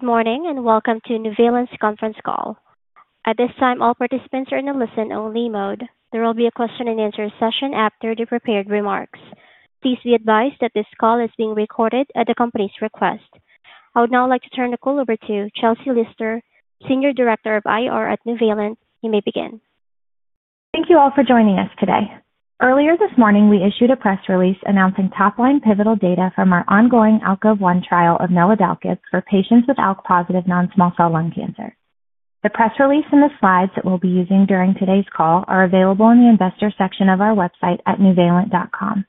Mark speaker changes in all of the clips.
Speaker 1: Good morning and welcome to Nuvalent's conference call. At this time, all participants are in the listen-only mode. There will be a question-and-answer session after the prepared remarks. Please be advised that this call is being recorded at the company's request. I would now like to turn the call over to Chelsea Lister, Senior Director of IR at Nuvalent. You may begin.
Speaker 2: Thank you all for joining us today. Earlier this morning, we issued a press release announcing top-line pivotal data from our ongoing ALKOVE-1 trial of Neladalkib for patients with ALK-positive non-small cell lung cancer. The press release and the slides that we will be using during today's call are available in the investor section of our website at nuvalent.com.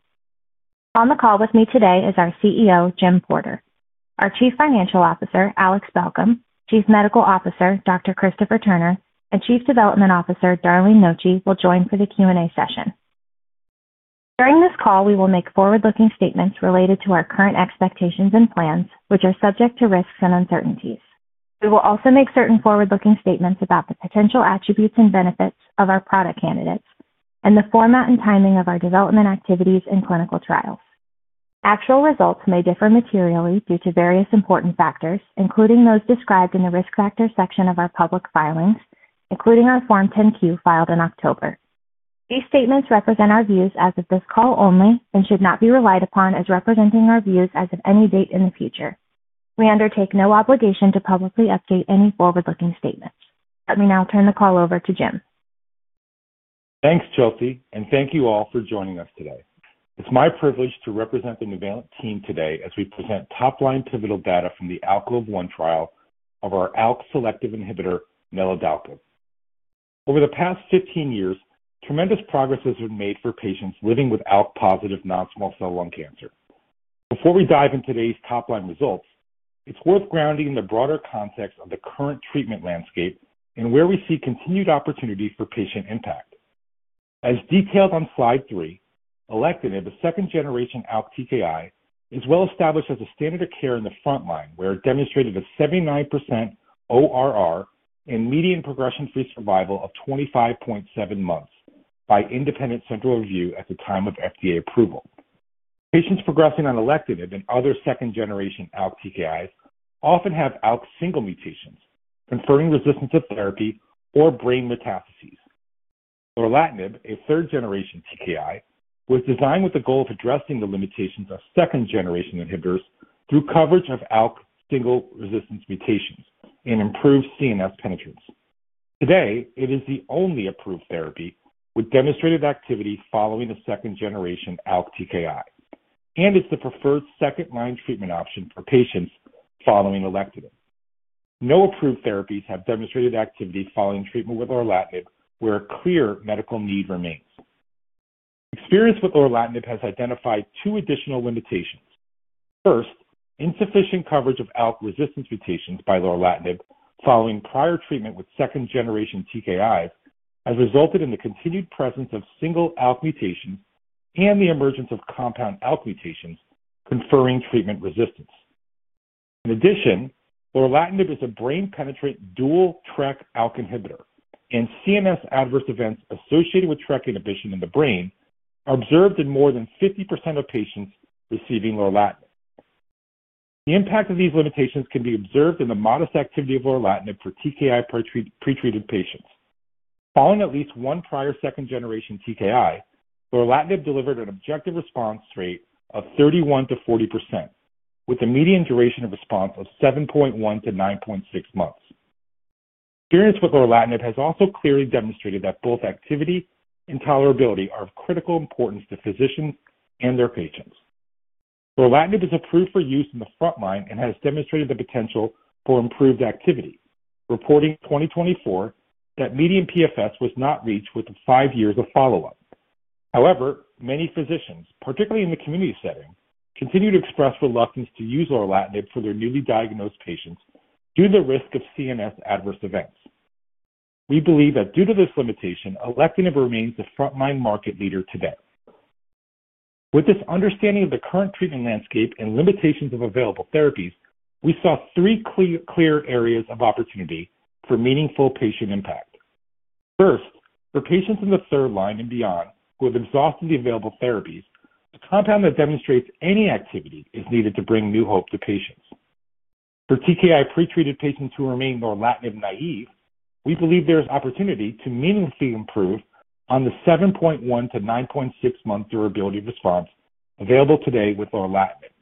Speaker 2: On the call with me today is our CEO, Jim Porter. Our Chief Financial Officer, Alex Balcom, Chief Medical Officer, Dr. Christopher Turner, and Chief Development Officer, Darlene Noci, will join for the Q&A session. During this call, we will make forward-looking statements related to our current expectations and plans, which are subject to risks and uncertainties. We will also make certain forward-looking statements about the potential attributes and benefits of our product candidates and the format and timing of our development activities and clinical trials. Actual results may differ materially due to various important factors, including those described in the risk factor section of our public filings, including our Form 10-Q filed in October. These statements represent our views as of this call only and should not be relied upon as representing our views as of any date in the future. We undertake no obligation to publicly update any forward-looking statements. Let me now turn the call over to Jim.
Speaker 3: Thanks, Chelsea, and thank you all for joining us today. It's my privilege to represent the Nuvalent team today as we present top-line pivotal data from the ALKOVE-1 trial of our ALK-selective inhibitor, neladalkib. Over the past 15 years, tremendous progress has been made for patients living with ALK-positive non-small cell lung cancer. Before we dive into today's top-line results, it's worth grounding in the broader context of the current treatment landscape and where we see continued opportunity for patient impact. As detailed on Slide Three, Alectinib, a second-generation ALK TKI, is well established as a standard of care in the front line where it demonstrated a 79% ORR and median progression-free survival of 25.7 months by independent central review at the time of FDA approval. Patients progressing on Alectinib and other second-generation ALK TKIs often have ALK single mutations confirming resistance to therapy or brain metastases. Lorlatinib, a third-generation TKI, was designed with the goal of addressing the limitations of second-generation inhibitors through coverage of ALK single resistance mutations and improved CNS penetrance. Today, it is the only approved therapy with demonstrated activity following a second-generation ALK TKI, and it's the preferred second-line treatment option for patients following Alectinib. No approved therapies have demonstrated activity following treatment with Lorlatinib where a clear medical need remains. Experience with Lorlatinib has identified two additional limitations. First, insufficient coverage of ALK resistance mutations by Lorlatinib following prior treatment with second-generation TKIs has resulted in the continued presence of single ALK mutations and the emergence of compound ALK mutations conferring treatment resistance. In addition, Lorlatinib is a brain-penetrant dual-track ALK inhibitor, and CNS adverse events associated with track inhibition in the brain are observed in more than 50% of patients receiving Lorlatinib. The impact of these limitations can be observed in the modest activity of Lorlatinib for TKI pretreated patients. Following at least one prior second-generation TKI, Lorlatinib delivered an objective response rate of 31%-40%, with a median duration of response of 7.1-9.6 months. Experience with Lorlatinib has also clearly demonstrated that both activity and tolerability are of critical importance to physicians and their patients. Lorlatinib is approved for use in the front line and has demonstrated the potential for improved activity, reporting in 2024 that median PFS was not reached with five years of follow-up. However, many physicians, particularly in the community setting, continue to express reluctance to use Lorlatinib for their newly diagnosed patients due to the risk of CNS adverse events. We believe that due to this limitation, Alectinib remains the front-line market leader today. With this understanding of the current treatment landscape and limitations of available therapies, we saw three clear areas of opportunity for meaningful patient impact. First, for patients in the third line and beyond who have exhausted the available therapies, a compound that demonstrates any activity is needed to bring new hope to patients. For TKI pretreated patients who remain Lorlatinib naive, we believe there is opportunity to meaningfully improve on the 7.1-9.6 month durability response available today with Lorlatinib.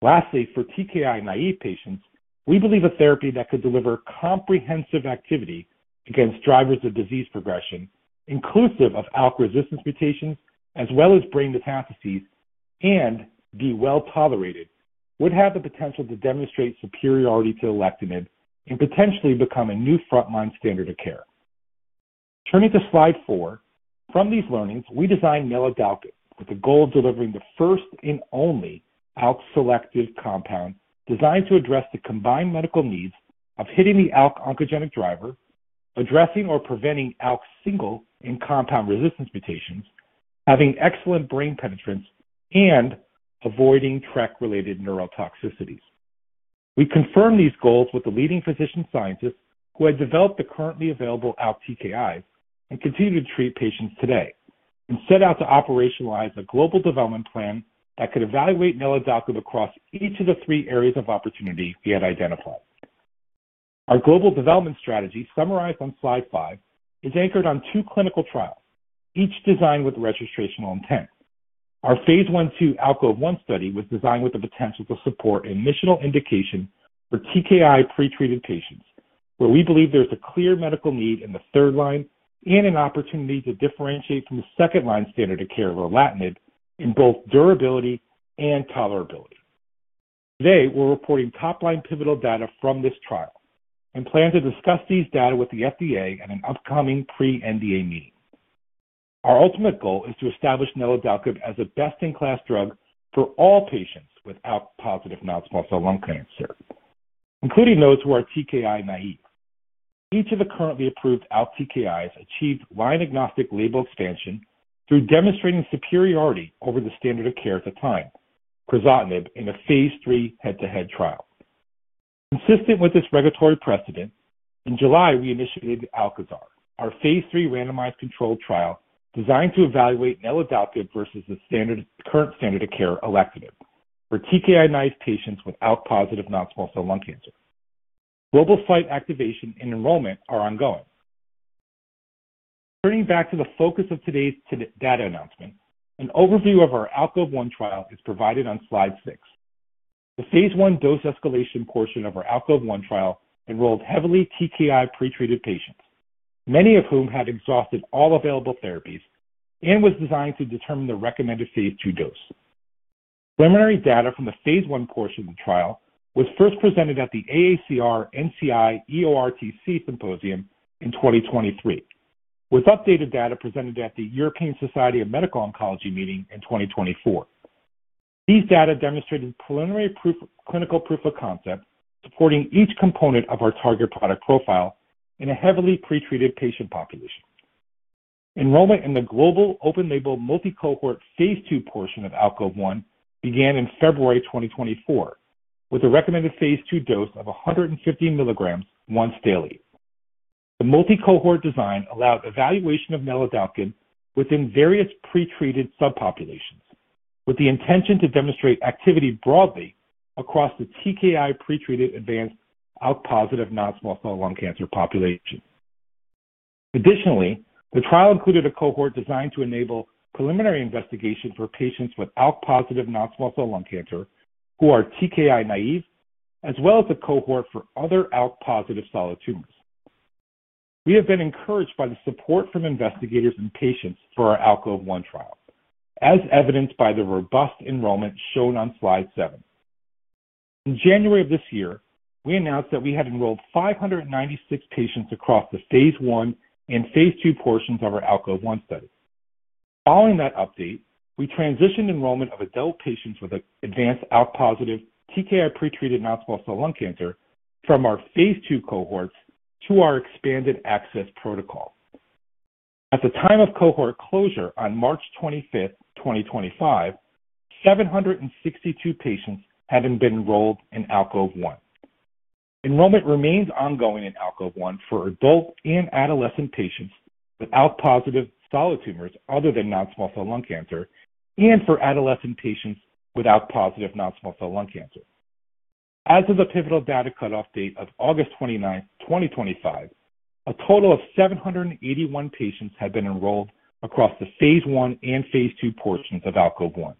Speaker 3: Lastly, for TKI naive patients, we believe a therapy that could deliver comprehensive activity against drivers of disease progression, inclusive of ALK resistance mutations as well as brain metastases, and be well tolerated, would have the potential to demonstrate superiority to Alectinib and potentially become a new front-line standard of care. Turning to Slide Four, from these learnings, we designed Neladalkib with the goal of delivering the first and only ALK-selective compound designed to address the combined medical needs of hitting the ALK oncogenic driver, addressing or preventing ALK single and compound resistance mutations, having excellent brain penetrance, and avoiding TRK-related neurotoxicities. We confirmed these goals with the leading physician scientists who had developed the currently available ALK TKIs and continue to treat patients today, and set out to operationalize a global development plan that could evaluate Neladalkib across each of the three areas of opportunity we had identified. Our global development strategy, summarized on Slide Five, is anchored on two clinical trials, each designed with registrational intent. Our Phase I/II ALKOVE-1 study was designed with the potential to support initial indication for TKI pretreated patients, where we believe there is a clear medical need in the third line and an opportunity to differentiate from the second-line standard of care Lorlatinib in both durability and tolerability. Today, we're reporting top-line pivotal data from this trial and plan to discuss these data with the FDA at an upcoming pre-NDA meeting. Our ultimate goal is to establish Neladalkib as a best-in-class drug for all patients with ALK-positive non-small cell lung cancer, including those who are TKI naive. Each of the currently approved ALK TKIs achieved line-agnostic label expansion through demonstrating superiority over the standard of care at the time, Crizotinib, in a Phase III head-to-head trial. Consistent with this regulatory precedent, in July, we initiated ALKAZAR, our Phase III randomized controlled trial designed to evaluate Neladalkib versus the current standard of care Alectinib for TKI naive patients with ALK-positive non-small cell lung cancer. Global site activation and enrollment are ongoing. Turning back to the focus of today's data announcement, an overview of our ALKOVE-1 trial is provided on Slide Six. The Phase I dose escalation portion of our ALKOVE-1 trial enrolled heavily TKI pretreated patients, many of whom had exhausted all available therapies and was designed to determine the recommended Phase II dose. Preliminary data from the Phase I portion of the trial was first presented at the AACR-NCI-EORTC Symposium in 2023, with updated data presented at the European Society of Medical Oncology meeting in 2024. These data demonstrated preliminary clinical proof of concept supporting each component of our target product profile in a heavily pretreated patient population. Enrollment in the global open label multi-cohort Phase II portion of ALKOVE-1 began in February 2024, with a recommended Phase II dose of 150 mg once daily. The multi-cohort design allowed evaluation of Neladalkib within various pretreated subpopulations with the intention to demonstrate activity broadly across the TKI pretreated advanced ALK-positive non-small cell lung cancer population. Additionally, the trial included a cohort designed to enable preliminary investigation for patients with ALK-positive non-small cell lung cancer who are TKI naive, as well as a cohort for other ALK-positive solid tumors. We have been encouraged by the support from investigators and patients for our ALKOVE-1 trial, as evidenced by the robust enrollment shown on Slide Seven. In January of this year, we announced that we had enrolled 596 patients across the Phase I and Phase II portions of our ALKOVE-1 study. Following that update, we transitioned enrollment of adult patients with advanced ALK-positive TKI pretreated non-small cell lung cancer from our Phase II cohorts to our expanded access protocol. At the time of cohort closure on March 25th, 2025, 762 patients had been enrolled in ALKOVE-1. Enrollment remains ongoing in ALKOVE-1 for adult and adolescent patients with ALK-positive solid tumors other than non-small cell lung cancer and for adolescent patients with ALK-positive non-small cell lung cancer. As of the pivotal data cutoff date of August 29th, 2025, a total of 781 patients had been enrolled across the Phase I and Phase II portions of ALKOVE-1.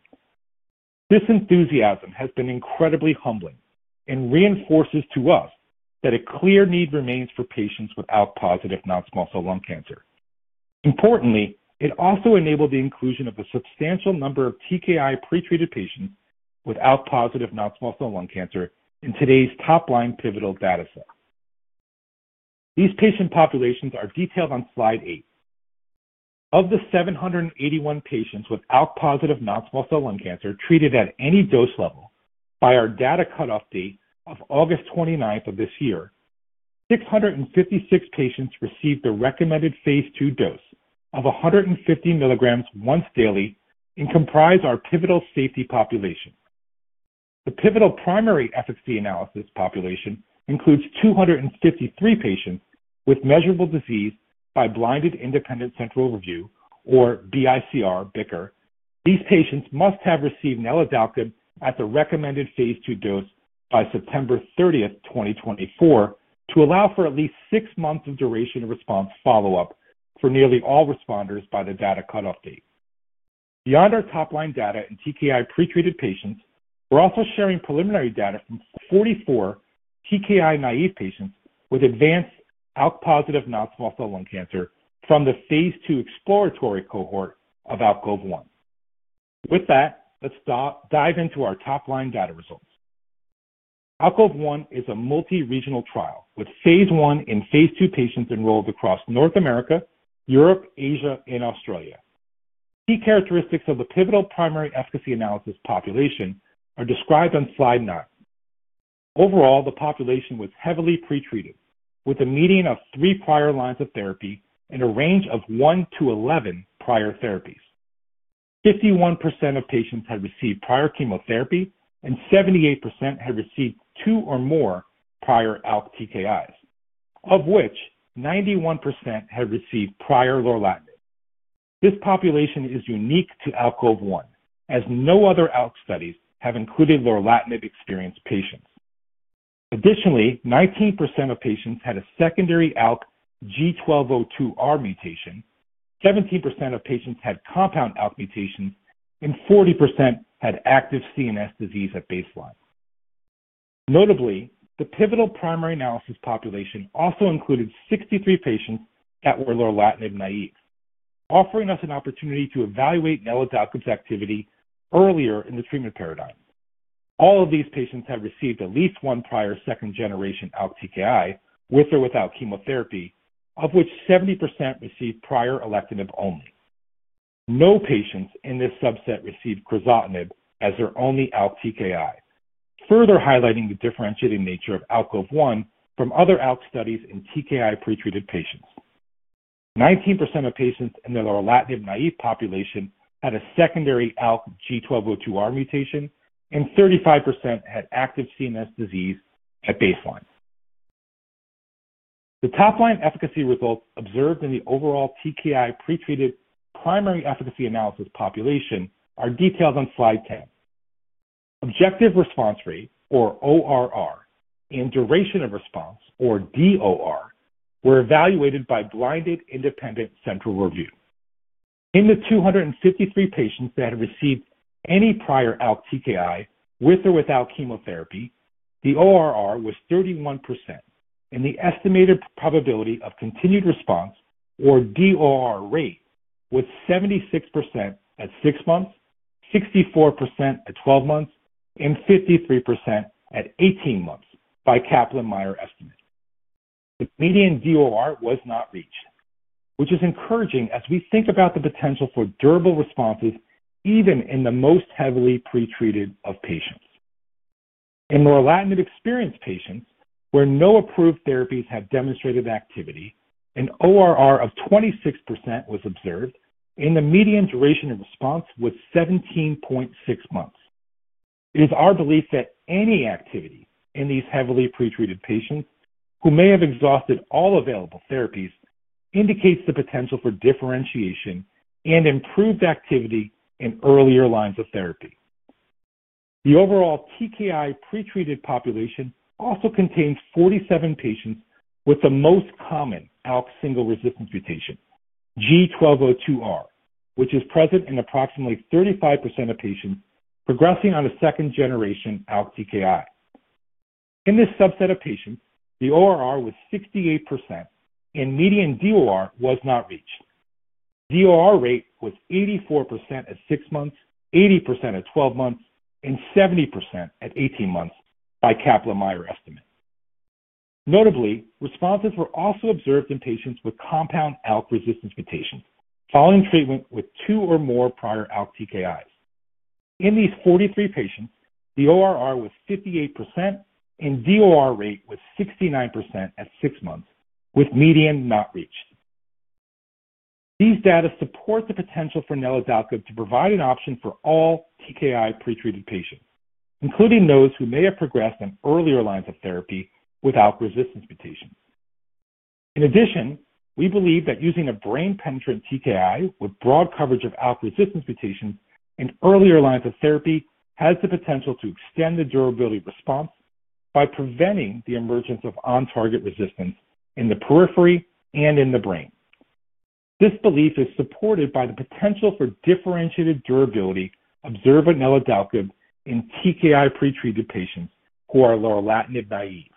Speaker 3: This enthusiasm has been incredibly humbling and reinforces to us that a clear need remains for patients with ALK-positive non-small cell lung cancer. Importantly, it also enabled the inclusion of a substantial number of TKI-pretreated patients with ALK-positive non-small cell lung cancer in today's top-line pivotal data set. These patient populations are detailed on Slide Eight. Of the 781 patients with ALK-positive non-small cell lung cancer treated at any dose level by our data cutoff date of August 29 of this year, 656 patients received the recommended Phase II dose of 150 milligrams once daily and comprise our pivotal safety population. The pivotal primary efficacy analysis population includes 253 patients with measurable disease by blinded independent central review, or BICR. These patients must have received Neladalkib at the recommended Phase II dose by September 30, 2024, to allow for at least six months of duration of response follow-up for nearly all responders by the data cutoff date. Beyond our top-line data in TKI pretreated patients, we're also sharing preliminary data from 44 TKI naive patients with advanced ALK-positive non-small cell lung cancer from the Phase II exploratory cohort of ALKOVE-1. With that, let's dive into our top-line data results. ALKOVE-1 is a multi-regional trial with Phase I and Phase II patients enrolled across North America, Europe, Asia, and Australia. Key characteristics of the pivotal primary efficacy analysis population are described on Slide Nine. Overall, the population was heavily pretreated with a median of three prior lines of therapy and a range of one to 11 prior therapies. 51% of patients had received prior chemotherapy and 78% had received two or more prior ALK TKIs, of which 91% had received prior Lorlatinib. This population is unique to ALKOVE-1, as no other ALK studies have included Lorlatinib-experienced patients. Additionally, 19% of patients had a secondary ALK G1202R mutation, 17% of patients had compound ALK mutations, and 40% had active CNS disease at baseline. Notably, the pivotal primary analysis population also included 63 patients that were Lorlatinib naive, offering us an opportunity to evaluate Neladalkib's activity earlier in the treatment paradigm. All of these patients have received at least one prior second-generation ALK TKI with or without chemotherapy, of which 70% received prior Alectinib only. No patients in this subset received Crizotinib as their only ALK TKI, further highlighting the differentiating nature of ALKOVE-1 from other ALK studies in TKI pretreated patients. 19% of patients in the Lorlatinib naive population had a secondary ALK G1202R mutation, and 35% had active CNS disease at baseline. The top-line efficacy results observed in the overall TKI pretreated primary efficacy analysis population are detailed on Slide 10. Objective response rate, or ORR, and duration of response, or DOR, were evaluated by blinded independent central review. In the 253 patients that had received any prior ALK TKI with or without chemotherapy, the ORR was 31%, and the estimated probability of continued response, or DOR, rate was 76% at six months, 64% at 12 months, and 53% at 18 months by Kaplan-Meier estimate. The median DOR was not reached, which is encouraging as we think about the potential for durable responses even in the most heavily pretreated of patients. In Lorlatinib-experienced patients where no approved therapies had demonstrated activity, an ORR of 26% was observed, and the median duration of response was 17.6 months. It is our belief that any activity in these heavily pretreated patients who may have exhausted all available therapies indicates the potential for differentiation and improved activity in earlier lines of therapy. The overall TKI pretreated population also contains 47 patients with the most common ALK single resistance mutation, G1202R, which is present in approximately 35% of patients progressing on a second-generation ALK TKI. In this subset of patients, the ORR was 68%, and median DOR was not reached. The DOR rate was 84% at six months, 80% at 12 months, and 70% at 18 months by Kaplan-Meier estimate. Notably, responses were also observed in patients with compound ALK resistance mutations following treatment with two or more prior ALK TKIs. In these 43 patients, the ORR was 58%, and DOR rate was 69% at six months, with median not reached. These data support the potential for Neladalkib to provide an option for all TKI pretreated patients, including those who may have progressed on earlier lines of therapy with ALK resistance mutations. In addition, we believe that using a brain-penetrant TKI with broad coverage of ALK resistance mutations in earlier lines of therapy has the potential to extend the durability of response by preventing the emergence of on-target resistance in the periphery and in the brain. This belief is supported by the potential for differentiated durability observed in Neladalkib in TKI pretreated patients who are Lorlatinib naive,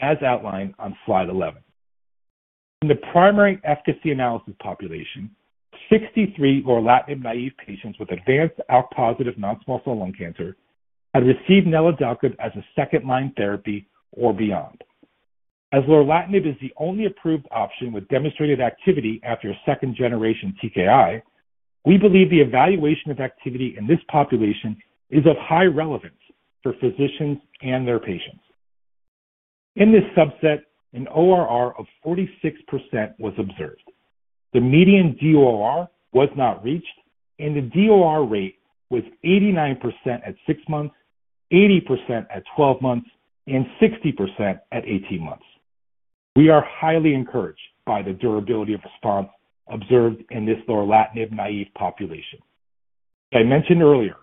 Speaker 3: as outlined on Slide 11. In the primary efficacy analysis population, 63 Lorlatinib naive patients with advanced ALK-positive non-small cell lung cancer had received Neladalkib as a second-line therapy or beyond. As Lorlatinib is the only approved option with demonstrated activity after a second-generation TKI, we believe the evaluation of activity in this population is of high relevance for physicians and their patients. In this subset, an ORR of 46% was observed. The median DOR was not reached, and the DOR rate was 89% at six months, 80% at 12 months, and 60% at 18 months. We are highly encouraged by the durability of response observed in this Lorlatinib naive population. As I mentioned earlier,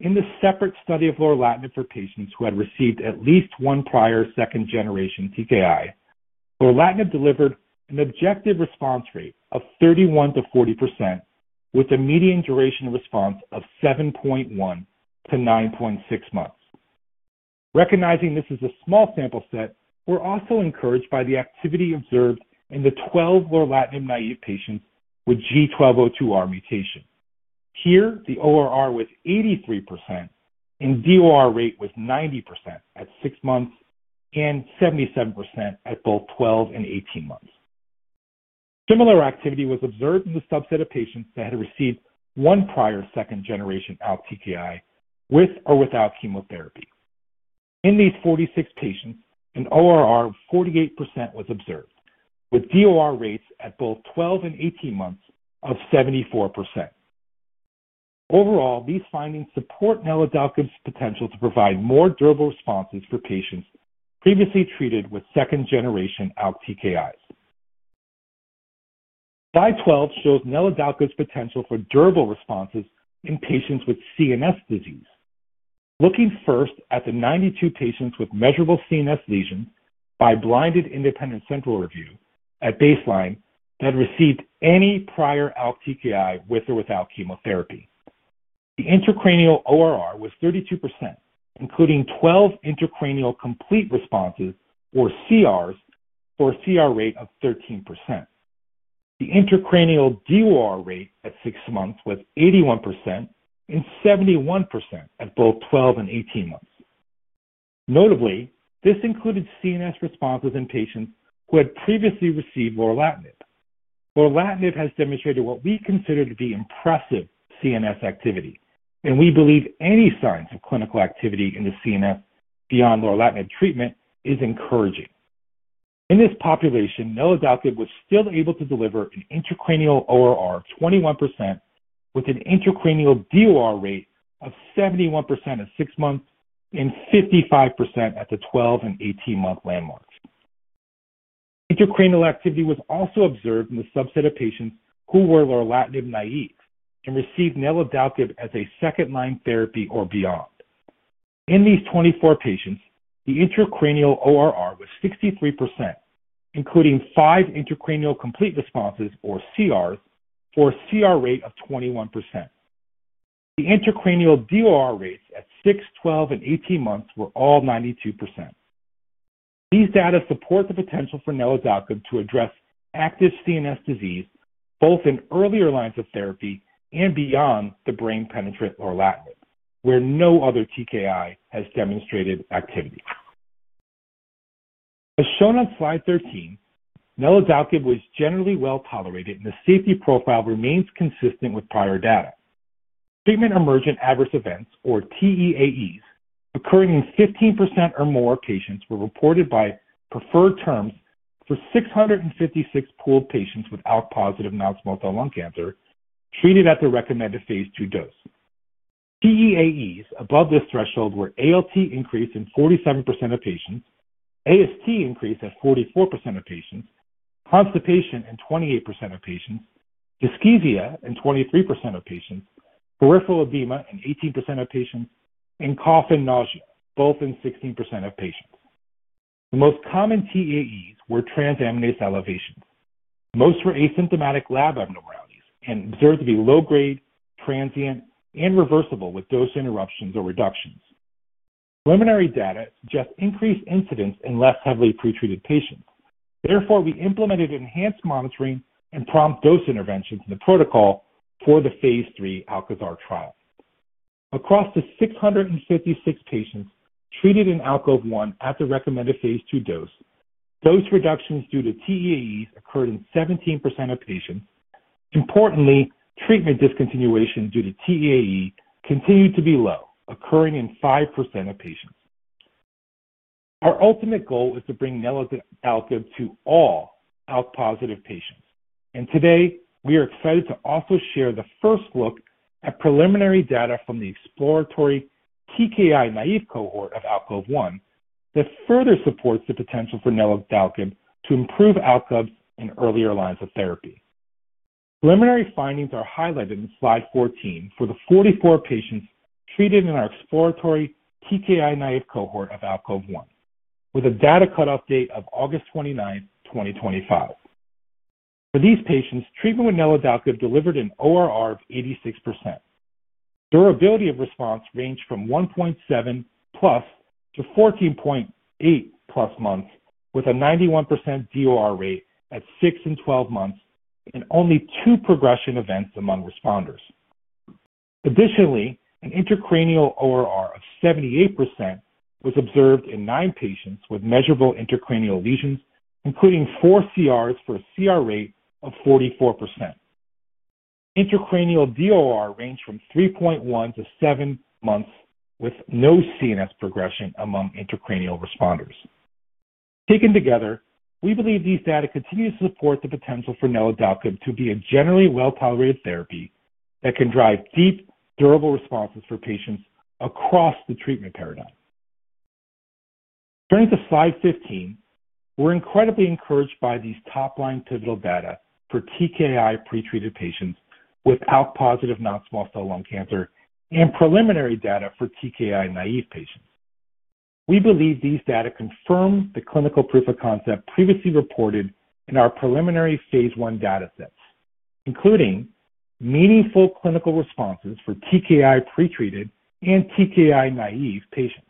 Speaker 3: in the separate study of Lorlatinib for patients who had received at least one prior second-generation TKI, Lorlatinib delivered an objective response rate of 31%-40%, with a median duration of response of 7.1-9.6 months. Recognizing this is a small sample set, we're also encouraged by the activity observed in the 12 Lorlatinib naive patients with G1202R mutation. Here, the ORR was 83%, and DOR rate was 90% at six months and 77% at both 12 and 18 months. Similar activity was observed in the subset of patients that had received one prior second-generation ALK TKI with or without chemotherapy. In these 46 patients, an ORR of 48% was observed, with DOR rates at both 12 and 18 months of 74%. Overall, these findings support Neladalkib's potential to provide more durable responses for patients previously treated with second-generation ALK TKIs. Slide 12 shows Neladalkib's potential for durable responses in patients with CNS disease, looking first at the 92 patients with measurable CNS lesions by blinded independent central review at baseline that had received any prior ALK TKI with or without chemotherapy. The intracranial ORR was 32%, including 12 intracranial complete responses, or CRs, for a CR rate of 13%. The intracranial DOR rate at six months was 81% and 71% at both 12 and 18 months. Notably, this included CNS responses in patients who had previously received Lorlatinib. Lorlatinib has demonstrated what we consider to be impressive CNS activity, and we believe any signs of clinical activity in the CNS beyond Lorlatinib treatment is encouraging. In this population, Neladalkib was still able to deliver an intracranial ORR of 21%, with an intracranial DOR rate of 71% at six months and 55% at the 12 and 18-month landmarks. Intracranial activity was also observed in the subset of patients who were Lorlatinib naive and received Neladalkib as a second-line therapy or beyond. In these 24 patients, the intracranial ORR was 63%, including five intracranial complete responses, or CRs, for a CR rate of 21%. The intracranial DOR rates at 6, 12, and 18 months were all 92%. These data support the potential for Neladalkib to address active CNS disease both in earlier lines of therapy and beyond the brain-penetrant Lorlatinib, where no other TKI has demonstrated activity. As shown on Slide 13, Neladalkib was generally well tolerated, and the safety profile remains consistent with prior data. Treatment-emergent adverse events, or TEAEs, occurring in 15% or more patients were reported by preferred terms for 656 pooled patients with ALK-positive non-small cell lung cancer treated at the recommended Phase II dose. TEAEs above this threshold were ALT increased in 47% of patients, AST increased in 44% of patients, constipation in 28% of patients, dyschezia in 23% of patients, peripheral edema in 18% of patients, and cough and nausea both in 16% of patients. The most common TEAEs were transaminase elevations. Most were asymptomatic lab abnormalities and observed to be low-grade, transient, and reversible with dose interruptions or reductions. Preliminary data suggest increased incidence in less heavily pretreated patients. Therefore, we implemented enhanced monitoring and prompt dose interventions in the protocol for the Phase III ALKAZAR trial. Across the 656 patients treated in ALKOVE-1 at the recommended Phase II dose, dose reductions due to TEAEs occurred in 17% of patients. Importantly, treatment discontinuation due to TEAE continued to be low, occurring in 5% of patients. Our ultimate goal is to bring Neladalkib to all ALK-positive patients. Today, we are excited to also share the first look at preliminary data from the exploratory TKI-naive cohort of ALKOVE-1 that further supports the potential for Neladalkib to improve outcomes in earlier lines of therapy. Preliminary findings are highlighted in Slide 14 for the 44 patients treated in our exploratory TKI-naive cohort of ALKOVE-1, with a data cut-off date of August 29, 2025. For these patients, treatment with Neladalkib delivered an ORR of 86%. Durability of response ranged from 1.7-plus-14.8-plus months, with a 91% DOR rate at 6 and 12 months and only two progression events among responders. Additionally, an intracranial ORR of 78% was observed in nine patients with measurable intracranial lesions, including four CRs for a CR rate of 44%. Intracranial DOR ranged from 3.1-7 months with no CNS progression among intracranial responders. Taken together, we believe these data continue to support the potential for Neladalkib to be a generally well-tolerated therapy that can drive deep, durable responses for patients across the treatment paradigm. Turning to Slide 15, we're incredibly encouraged by these top-line pivotal data for TKI pretreated patients with ALK-positive non-small cell lung cancer and preliminary data for TKI naive patients. We believe these data confirm the clinical proof of concept previously reported in our preliminary Phase I data sets, including meaningful clinical responses for TKI pretreated and TKI naive patients,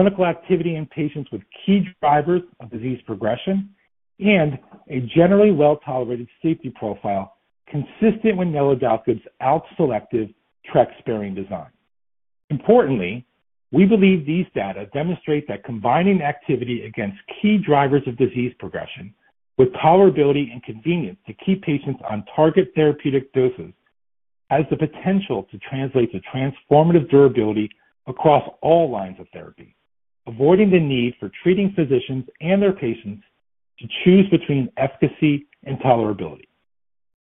Speaker 3: clinical activity in patients with key drivers of disease progression, and a generally well-tolerated safety profile consistent with Neladalkib's ALK-selective TREX-sparing design. Importantly, we believe these data demonstrate that combining activity against key drivers of disease progression with tolerability and convenience to keep patients on target therapeutic doses has the potential to translate to transformative durability across all lines of therapy, avoiding the need for treating physicians and their patients to choose between efficacy and tolerability.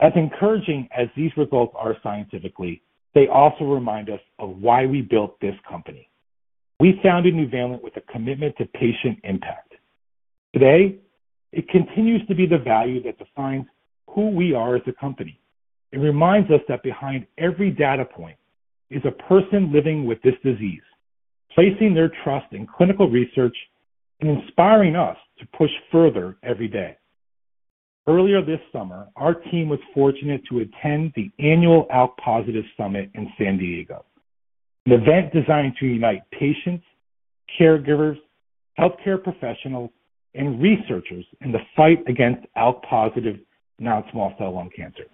Speaker 3: As encouraging as these results are scientifically, they also remind us of why we built this company. We founded Nuvalent with a commitment to patient impact. Today, it continues to be the value that defines who we are as a company. It reminds us that behind every data point is a person living with this disease, placing their trust in clinical research and inspiring us to push further every day. Earlier this summer, our team was fortunate to attend the annual ALK Positive Summit in San Diego, an event designed to unite patients, caregivers, healthcare professionals, and researchers in the fight against ALK-positive non-small cell lung cancer.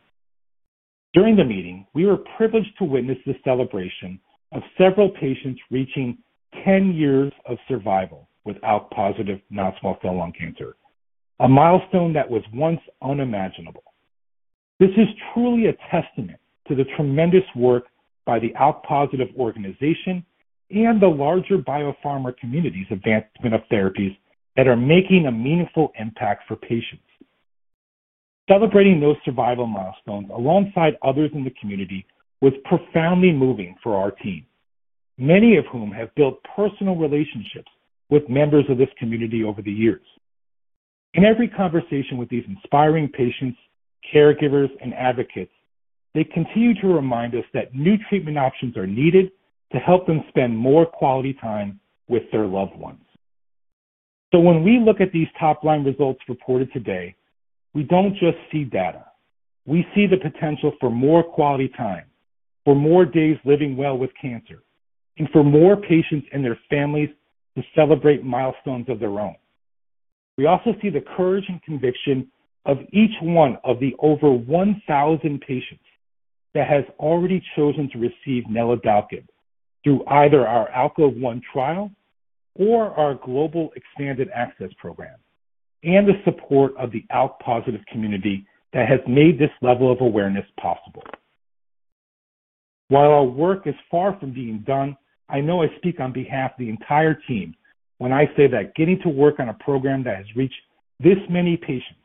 Speaker 3: During the meeting, we were privileged to witness the celebration of several patients reaching 10 years of survival with ALK-positive non-small cell lung cancer, a milestone that was once unimaginable. This is truly a testament to the tremendous work by the ALK-positive organization and the larger biopharma community's advancement of therapies that are making a meaningful impact for patients. Celebrating those survival milestones alongside others in the community was profoundly moving for our team, many of whom have built personal relationships with members of this community over the years. In every conversation with these inspiring patients, caregivers, and advocates, they continue to remind us that new treatment options are needed to help them spend more quality time with their loved ones. When we look at these top-line results reported today, we do not just see data. We see the potential for more quality time, for more days living well with cancer, and for more patients and their families to celebrate milestones of their own. We also see the courage and conviction of each one of the over 1,000 patients that has already chosen to receive Neladalkib through either our ALKOVE-1 trial or our global expanded access program, and the support of the ALK-positive community that has made this level of awareness possible. While our work is far from being done, I know I speak on behalf of the entire team when I say that getting to work on a program that has reached this many patients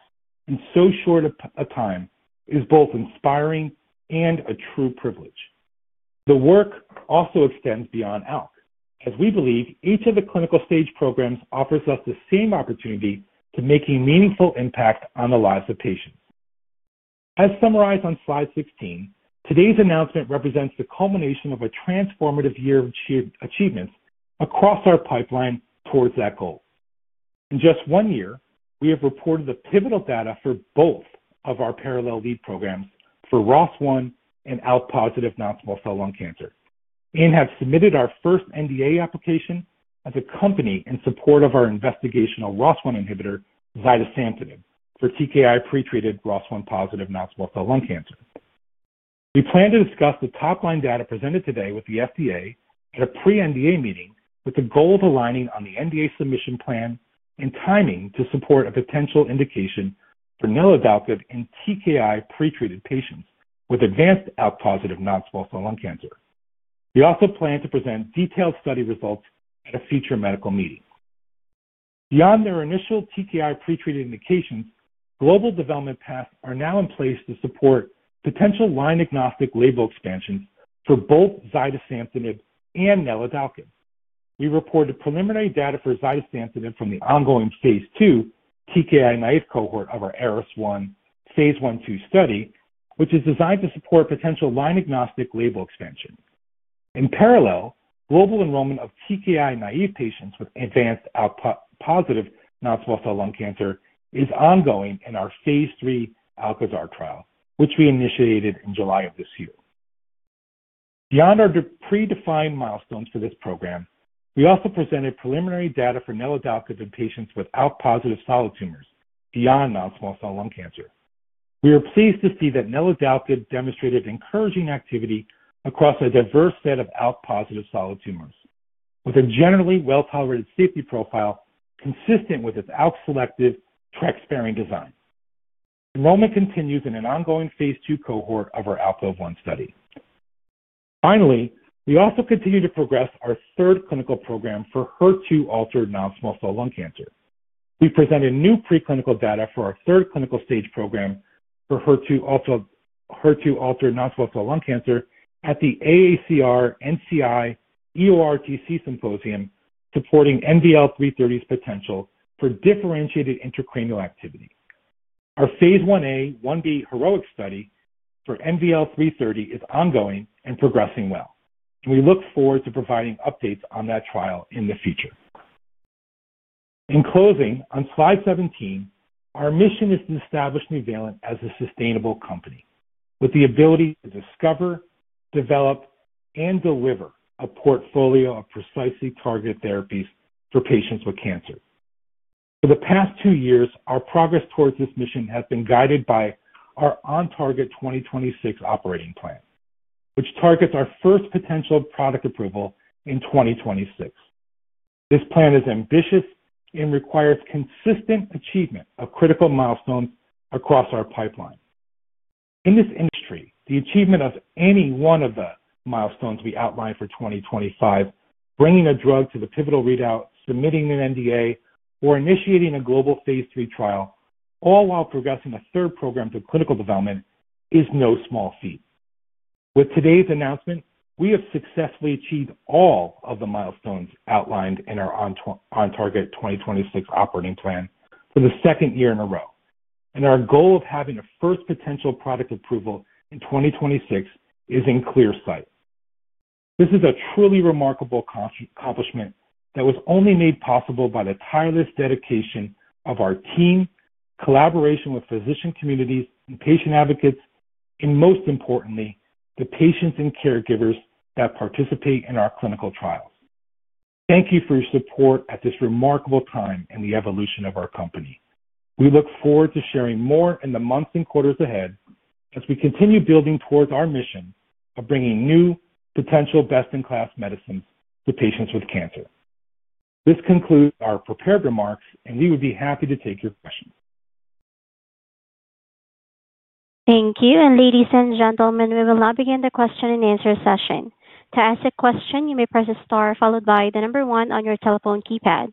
Speaker 3: in so short a time is both inspiring and a true privilege. The work also extends beyond ALK, as we believe each of the clinical stage programs offers us the same opportunity to make a meaningful impact on the lives of patients. As summarized on Slide 16, today's announcement represents the culmination of a transformative year of achievements across our pipeline towards that goal. In just one year, we have reported the pivotal data for both of our parallel lead programs for ROS1 and ALK-positive non-small cell lung cancer and have submitted our first NDA application as a company in support of our investigational ROS1 inhibitor, Zidesamtinib, for TKI pretreated ROS1-positive non-small cell lung cancer. We plan to discuss the top-line data presented today with the FDA at a pre-NDA meeting with the goal of aligning on the NDA submission plan and timing to support a potential indication for Neladalkib in TKI pretreated patients with advanced ALK-positive non-small cell lung cancer. We also plan to present detailed study results at a future medical meeting. Beyond their initial TKI pretreated indications, global development paths are now in place to support potential line-agnostic label expansions for both Zidesamtinib and Neladalkib. We reported preliminary data for Zidesamtinib from the ongoing Phase II TKI-naive cohort of our ARIS-1 Phase I/II study, which is designed to support potential line-agnostic label expansion. In parallel, global enrollment of TKI-naive patients with advanced ALK-positive non-small cell lung cancer is ongoing in our Phase III ALKAZAR trial, which we initiated in July of this year. Beyond our predefined milestones for this program, we also presented preliminary data for Neladalkib in patients with ALK-positive solid tumors beyond non-small cell lung cancer. We are pleased to see that Neladalkib demonstrated encouraging activity across a diverse set of ALK-positive solid tumors, with a generally well-tolerated safety profile consistent with its ALK-selective TREX-sparing design. Enrollment continues in an ongoing Phase II cohort of our ALKOVE-1 study. Finally, we also continue to progress our third clinical program for HER2-altered non-small cell lung cancer. We presented new preclinical data for our third clinical stage program for HER2-altered non-small cell lung cancer at the AACR-NCI-EORTC symposium supporting NVL-330's potential for differentiated intracranial activity. Our Phase 1A/1B HER2-ICONIC study for NVL-330 is ongoing and progressing well, and we look forward to providing updates on that trial in the future. In closing, on Slide 17, our mission is to establish Nuvalent as a sustainable company with the ability to discover, develop, and deliver a portfolio of precisely targeted therapies for patients with cancer. For the past two years, our progress towards this mission has been guided by our OnTarget 2026 operating plan, which targets our first potential product approval in 2026. This plan is ambitious and requires consistent achievement of critical milestones across our pipeline. In this industry, the achievement of any one of the milestones we outlined for 2025, bringing a drug to the pivotal readout, submitting an NDA, or initiating a global Phase III trial, all while progressing a third program to clinical development, is no small feat. With today's announcement, we have successfully achieved all of the milestones outlined in our OnTarget 2026 operating plan for the second year in a row, and our goal of having a first potential product approval in 2026 is in clear sight. This is a truly remarkable accomplishment that was only made possible by the tireless dedication of our team, collaboration with physician communities and patient advocates, and most importantly, the patients and caregivers that participate in our clinical trials. Thank you for your support at this remarkable time in the evolution of our company. We look forward to sharing more in the months and quarters ahead as we continue building towards our mission of bringing new, potential best-in-class medicines to patients with cancer. This concludes our prepared remarks, and we would be happy to take your questions.
Speaker 1: Thank you. Ladies and gentlemen, we will now begin the question and answer session. To ask a question, you may press star followed by the number one on your telephone keypad.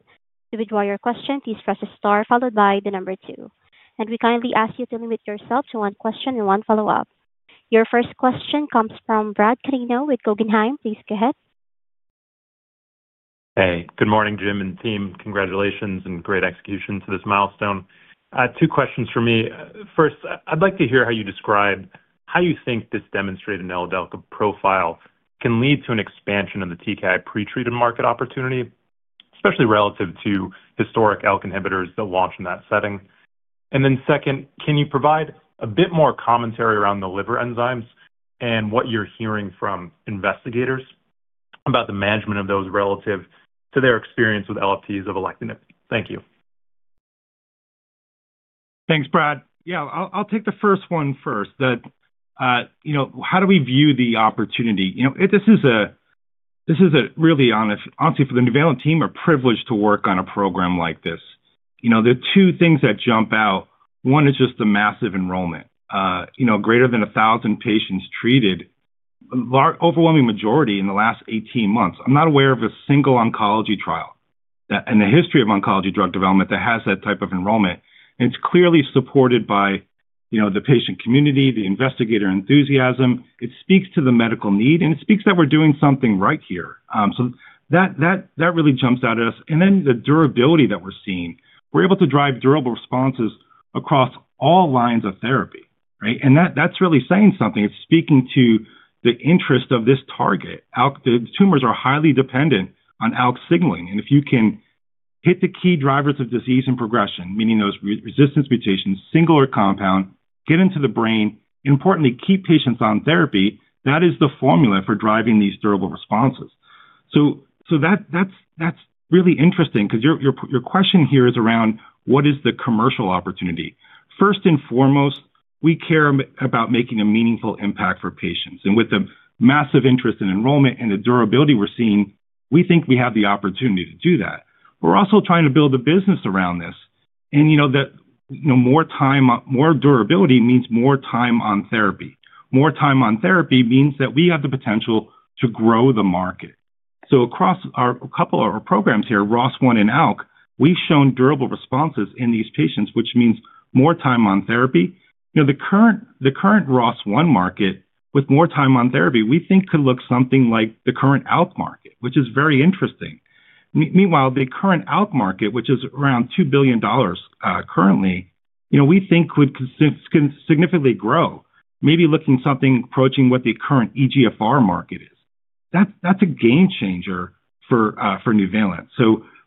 Speaker 1: To withdraw your question, please press star followed by the number two. We kindly ask you to limit yourself to one question and one follow-up. Your first question comes from Brad Carino with Guggenheim. Please go ahead.
Speaker 4: Hey, good morning, Jim and team. Congratulations and great execution to this milestone. Two questions for me. First, I'd like to hear how you describe how you think this demonstrated Neladalkib profile can lead to an expansion of the TKI pretreated market opportunity, especially relative to historic ALK inhibitors that launch in that setting. Second, can you provide a bit more commentary around the liver enzymes and what you're hearing from investigators about the management of those relative to their experience with LFTs of Alectinib? Thank you.
Speaker 3: Thanks, Brad. Yeah, I'll take the first one first. How do we view the opportunity? This is a really, honestly, for the Nuvalent team, a privilege to work on a program like this. There are two things that jump out. One is just the massive enrollment, greater than 1,000 patients treated, overwhelming majority in the last 18 months. I'm not aware of a single Oncology trial in the history of Oncology drug development that has that type of enrollment. It is clearly supported by the patient community, the investigator enthusiasm. It speaks to the medical need, and it speaks that we're doing something right here. That really jumps out at us. The durability that we're seeing. We're able to drive durable responses across all lines of therapy. That is really saying something. It is speaking to the interest of this target. The tumors are highly dependent on ALK signaling. If you can hit the key drivers of disease and progression, meaning those resistance mutations, single or compound, get into the brain, and importantly, keep patients on therapy, that is the formula for driving these durable responses. That is really interesting because your question here is around what is the commercial opportunity. First and foremost, we care about making a meaningful impact for patients. With the massive interest in enrollment and the durability we're seeing, we think we have the opportunity to do that. We're also trying to build a business around this. More time, more durability means more time on therapy. More time on therapy means that we have the potential to grow the market. Across a couple of our programs here, ROS1 and ALK, we've shown durable responses in these patients, which means more time on therapy. The current ROS1 market with more time on therapy, we think could look something like the current ALK market, which is very interesting. Meanwhile, the current ALK market, which is around $2 billion currently, we think could significantly grow, maybe looking something approaching what the current EGFR market is. That's a game changer for Nuvalent.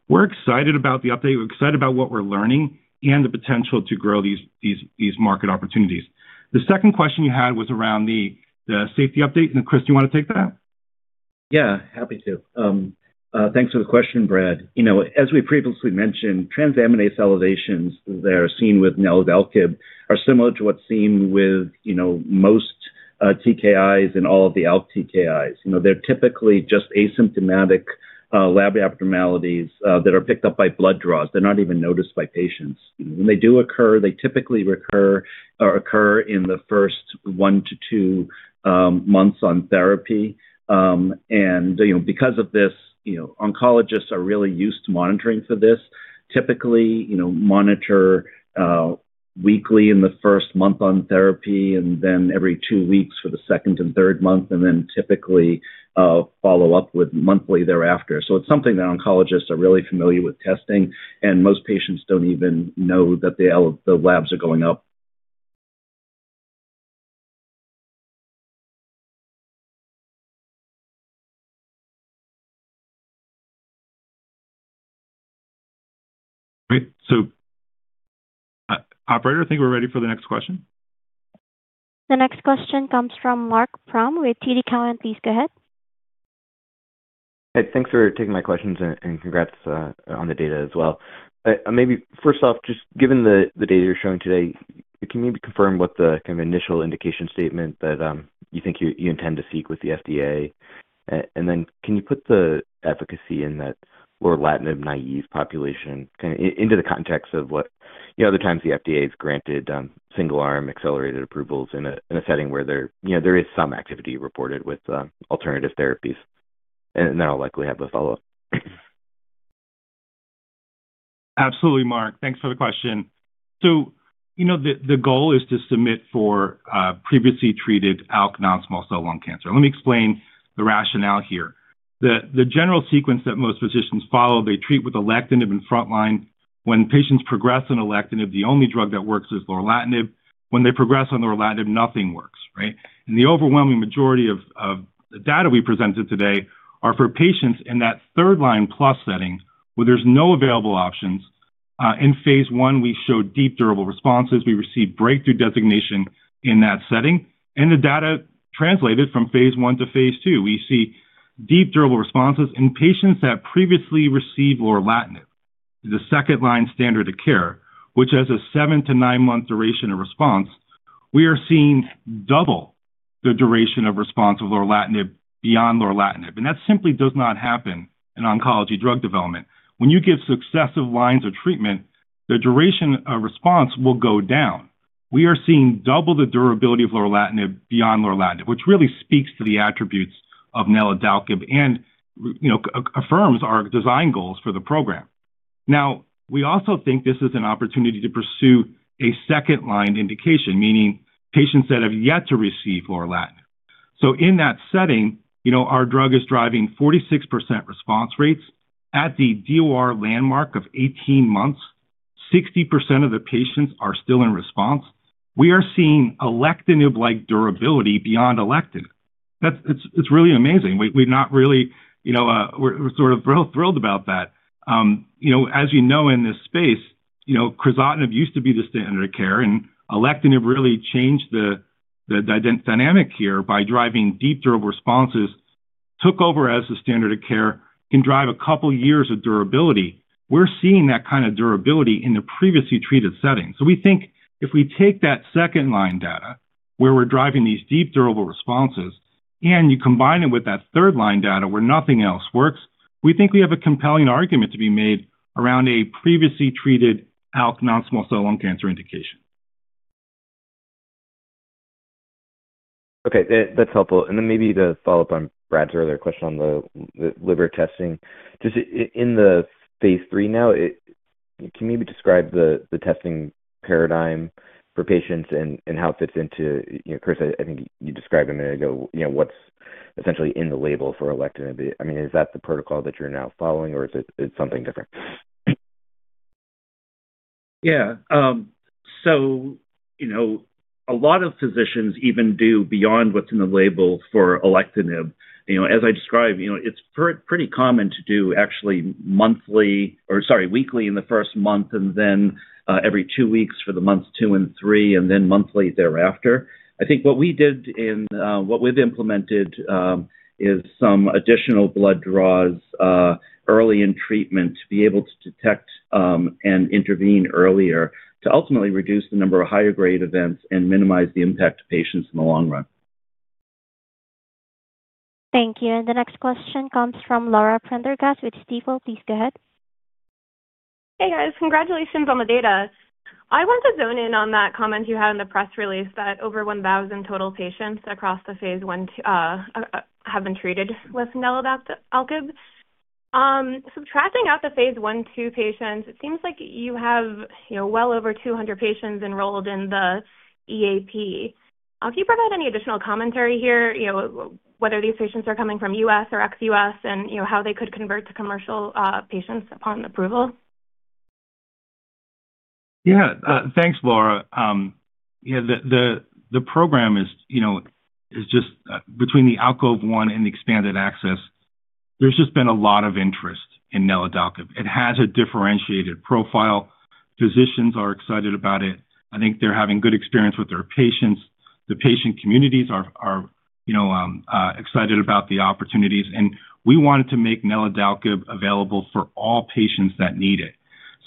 Speaker 3: We're excited about the update. We're excited about what we're learning and the potential to grow these market opportunities. The second question you had was around the safety update. Chris, do you want to take that?
Speaker 5: Yeah, happy to. Thanks for the question, Brad. As we previously mentioned, transaminase elevations that are seen with Neladalkib are similar to what's seen with most TKIs and all of the ALK TKIs. They're typically just asymptomatic lab abnormalities that are picked up by blood draws. They're not even noticed by patients. When they do occur, they typically recur in the first one to two months on therapy. Because of this, Oncologists are really used to monitoring for this. Typically, they monitor weekly in the first month on therapy, and then every two weeks for the second and third month, and then typically follow up with monthly thereafter. It's something that Oncologists are really familiar with testing, and most patients do not even know that the labs are going up.
Speaker 3: All right. Operator, I think we are ready for the next question.
Speaker 1: The next question comes from Mark Frahm with TD Cowen. Please go ahead.
Speaker 6: Hey, thanks for taking my questions and congrats on the data as well. Maybe first off, just given the data you are showing today, can you maybe confirm what the kind of initial indication statement that you think you intend to seek with the FDA? Can you put the efficacy in that Lorlatinib-naive population kind of into the context of what the other times the FDA has granted single-arm accelerated approvals in a setting where there is some activity reported with alternative therapies? I will likely have a follow-up.
Speaker 3: Absolutely, Mark. Thanks for the question. The goal is to submit for previously treated ALK non-small cell lung cancer. Let me explain the rationale here. The general sequence that most physicians follow, they treat with Alectinib in frontline. When patients progress on Alectinib, the only drug that works is Lorlatinib. When they progress on Lorlatinib, nothing works. The overwhelming majority of the data we presented today are for patients in that third line plus setting where there are no available options. In Phase I, we showed deep durable responses. We received breakthrough designation in that setting. The data translated from Phase I to Phase II, we see deep durable responses in patients that previously received Lorlatinib, the second-line standard of care, which has a seven- to nine-month duration of response. We are seeing double the duration of response of Lorlatinib beyond Lorlatinib. That simply does not happen in Oncology drug development. When you give successive lines of treatment, the duration of response will go down. We are seeing double the durability of Lorlatinib beyond Lorlatinib, which really speaks to the attributes of Neladalkib and affirms our design goals for the program. Now, we also think this is an opportunity to pursue a second-line indication, meaning patients that have yet to receive Lorlatinib. In that setting, our drug is driving 46% response rates at the DOR landmark of 18 months. 60% of the patients are still in response. We are seeing Alectinib-like durability beyond Alectinib. It's really amazing. We're not really sort of real thrilled about that. As you know, in this space, Crizotinib used to be the standard of care, and Alectinib really changed the dynamic here by driving deep durable responses, took over as the standard of care, can drive a couple of years of durability. We're seeing that kind of durability in the previously treated setting. We think if we take that second-line data where we're driving these deep durable responses, and you combine it with that third-line data where nothing else works, we think we have a compelling argument to be made around a previously treated ALK non-small cell lung cancer indication.
Speaker 6: Okay, that's helpful. Maybe to follow up on Brad's earlier question on the liver testing, just in the Phase III now, can you maybe describe the testing paradigm for patients and how it fits into Chris? I think you described a minute ago what's essentially in the label for Alectinib. I mean, is that the protocol that you're now following, or is it something different?
Speaker 5: Yeah. A lot of physicians even do beyond what's in the label for Alectinib. As I described, it's pretty common to do actually monthly or, sorry, weekly in the first month, and then every two weeks for months two and three, and then monthly thereafter. I think what we did and what we've implemented is some additional blood draws early in treatment to be able to detect and intervene earlier to ultimately reduce the number of higher-grade events and minimize the impact to patients in the long run.
Speaker 1: Thank you. The next question comes from Laura Prendergast with Stifel. Please go ahead.
Speaker 7: Hey, guys. Congratulations on the data. I want to zone in on that comment you had in the press release that over 1,000 total patients across the Phase I have been treated with Neladalkib. Subtracting out the Phase I/II patients, it seems like you have well over 200 patients enrolled in the EAP. Can you provide any additional commentary here, whether these patients are coming from U.S. or ex-U.S., and how they could convert to commercial patients upon approval?
Speaker 3: Yeah, thanks, Laura. The program is just between the ALKOVE-1 and the expanded access, there's just been a lot of interest in Neladalkib. It has a differentiated profile. Physicians are excited about it. I think they're having good experience with their patients. The patient communities are excited about the opportunities. We wanted to make Neladalkib available for all patients that need it.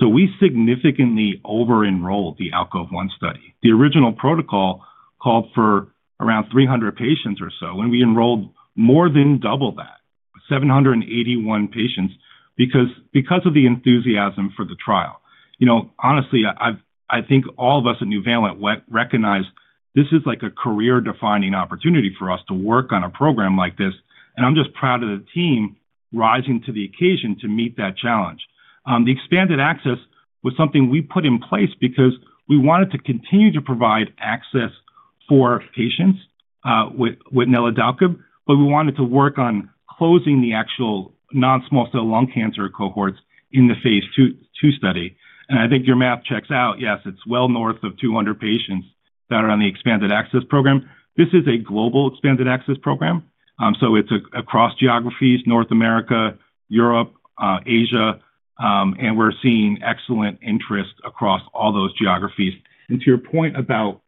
Speaker 3: We significantly over-enrolled the ALKOVE-1 study. The original protocol called for around 300 patients or so. We enrolled more than double that, 781 patients, because of the enthusiasm for the trial. Honestly, I think all of us at Nuvalent recognize this is like a career-defining opportunity for us to work on a program like this. I am just proud of the team rising to the occasion to meet that challenge. The expanded access was something we put in place because we wanted to continue to provide access for patients with Neladalkib, but we wanted to work on closing the actual non-small cell lung cancer cohorts in the Phase II study. I think your math checks out. Yes, it is well north of 200 patients that are on the expanded access program. This is a global expanded access program, so it is across geographies North America, Europe, Asia. We are seeing excellent interest across all those geographies. To your point about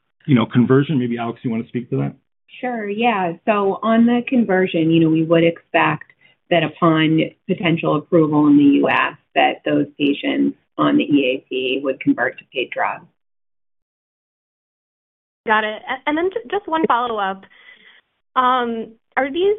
Speaker 3: conversion, maybe Alex, you want to speak to that?
Speaker 8: Sure. Yeah. On the conversion, we would expect that upon potential approval in the U.S., those patients on the EAP would convert to paid drugs.
Speaker 7: Got it. One follow-up. Are these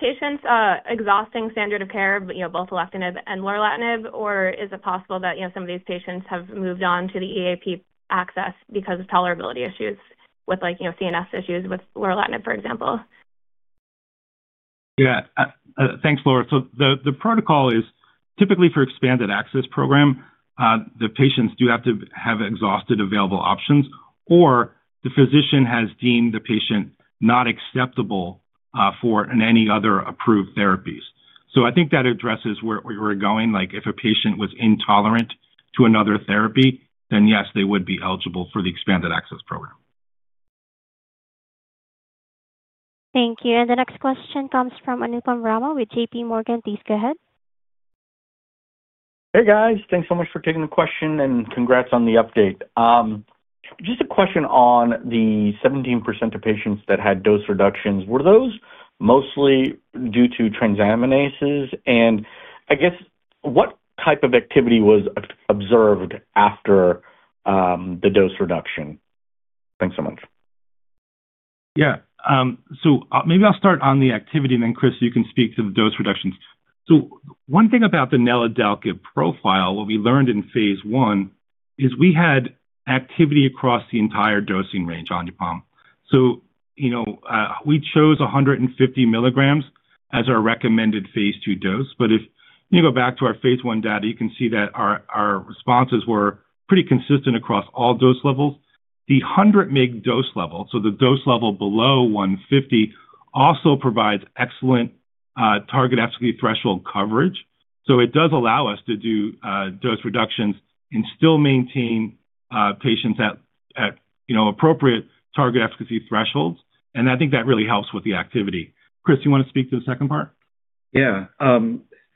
Speaker 7: patients exhausting standard of care, both Alectinib and Lorlatinib, or is it possible that some of these patients have moved on to the EAP access because of tolerability issues with CNS issues with Lorlatinib, for example?
Speaker 3: Yeah. Thanks, Laura. The protocol is typically for expanded access program, the patients do have to have exhausted available options, or the physician has deemed the patient not acceptable for any other approved therapies. I think that addresses where we're going. If a patient was intolerant to another therapy, then yes, they would be eligible for the expanded access program.
Speaker 1: Thank you. The next question comes from Anupam Rama with JP Morgan. Please go ahead.
Speaker 9: Hey, guys. Thanks so much for taking the question and congrats on the update. Just a question on the 17% of patients that had dose reductions. Were those mostly due to transaminases? I guess, what type of activity was observed after the dose reduction? Thanks so much.
Speaker 3: Yeah. Maybe I'll start on the activity, and then Chris, you can speak to the dose reductions. One thing about the Neladalkib profile, what we learned in Phase I is we had activity across the entire dosing range, Anupam. We chose 150 mg as our recommended Phase II dose. If you go back to our Phase I data, you can see that our responses were pretty consistent across all dose levels. The 100 mg dose level, so the dose level below 150, also provides excellent target efficacy threshold coverage. It does allow us to do dose reductions and still maintain patients at appropriate target efficacy thresholds. I think that really helps with the activity. Chris, you want to speak to the second part?
Speaker 5: Yeah.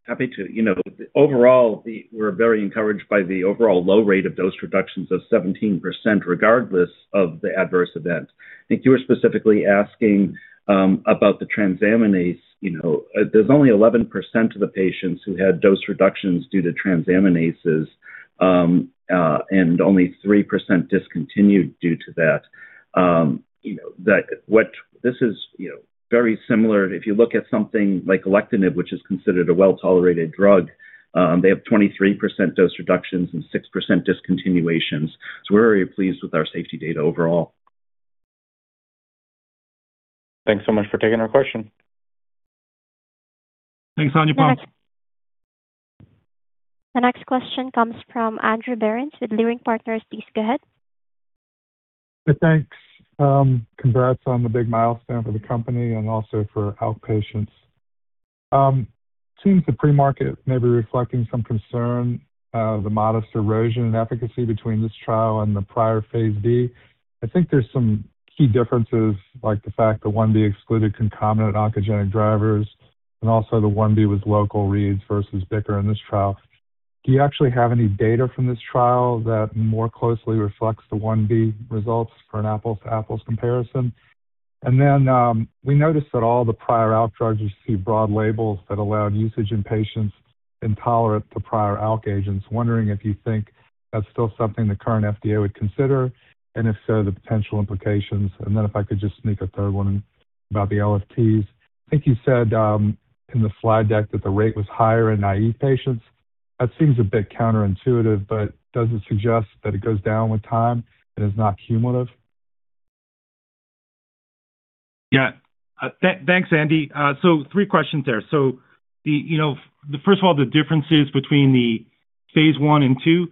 Speaker 5: Happy to. Overall, we're very encouraged by the overall low rate of dose reductions of 17% regardless of the adverse event. I think you were specifically asking about the transaminase. There's only 11% of the patients who had dose reductions due to transaminases and only 3% discontinued due to that. This is very similar. If you look at something like Alectinib, which is considered a well-tolerated drug, they have 23% dose reductions and 6% discontinuations. We are very pleased with our safety data overall.
Speaker 9: Thanks so much for taking our question.
Speaker 3: Thanks, Anupam.
Speaker 1: The next question comes from Andrew Barons with Luring Partners. Please go ahead.
Speaker 10: Thanks. Congrats on the big milestone for the company and also for ALK patients. Seems the pre-market may be reflecting some concern, the modest erosion in efficacy between this trial and the prior Phase D. I think there's some key differences, like the fact that 1B excluded concomitant oncogenic drivers, and also the 1B was local reads versus BICR in this trial. Do you actually have any data from this trial that more closely reflects the 1B results for an apples-to-apples comparison? We noticed that all the prior ALK drugs receive broad labels that allowed usage in patients intolerant to prior ALK agents. Wondering if you think that's still something the current FDA would consider, and if so, the potential implications. If I could just sneak a third one in about the LFTs. I think you said in the slide deck that the rate was higher in naive patients. That seems a bit counterintuitive, but does it suggest that it goes down with time and is not cumulative?
Speaker 3: Yeah. Thanks, Andy. So three questions there. First of all, the differences between the Phase I and II,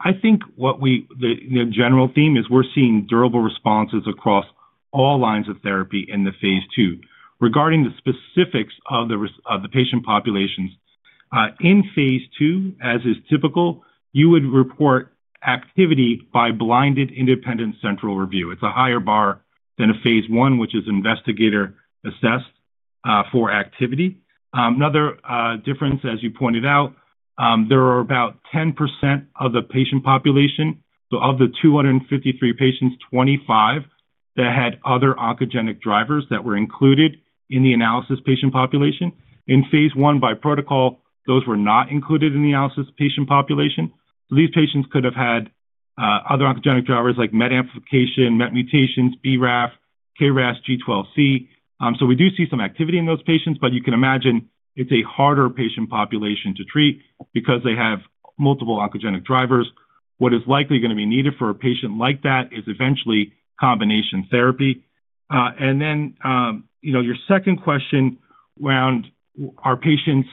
Speaker 3: I think what the general theme is we're seeing durable responses across all lines of therapy in the Phase II. Regarding the specifics of the patient populations, in Phase II, as is typical, you would report activity by blinded independent central review. It's a higher bar than a Phase I, which is investigator-assessed for activity. Another difference, as you pointed out, there are about 10% of the patient population, so of the 253 patients, 25 that had other oncogenic drivers that were included in the analysis patient population. In Phase I, by protocol, those were not included in the analysis patient population. These patients could have had other oncogenic drivers like MET amplification, MET mutations, BRAF, KRAS, G12C. We do see some activity in those patients, but you can imagine it's a harder patient population to treat because they have multiple oncogenic drivers. What is likely going to be needed for a patient like that is eventually combination therapy. Your second question around, are patients,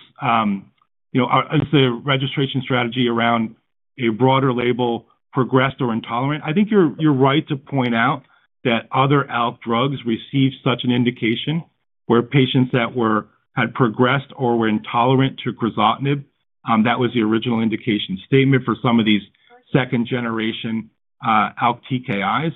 Speaker 3: is the registration strategy around a broader label progressed or intolerant? I think you're right to point out that other ALK drugs received such an indication where patients that had progressed or were intolerant to Crizotinib, that was the original indication statement for some of these second-generation ALK TKIs.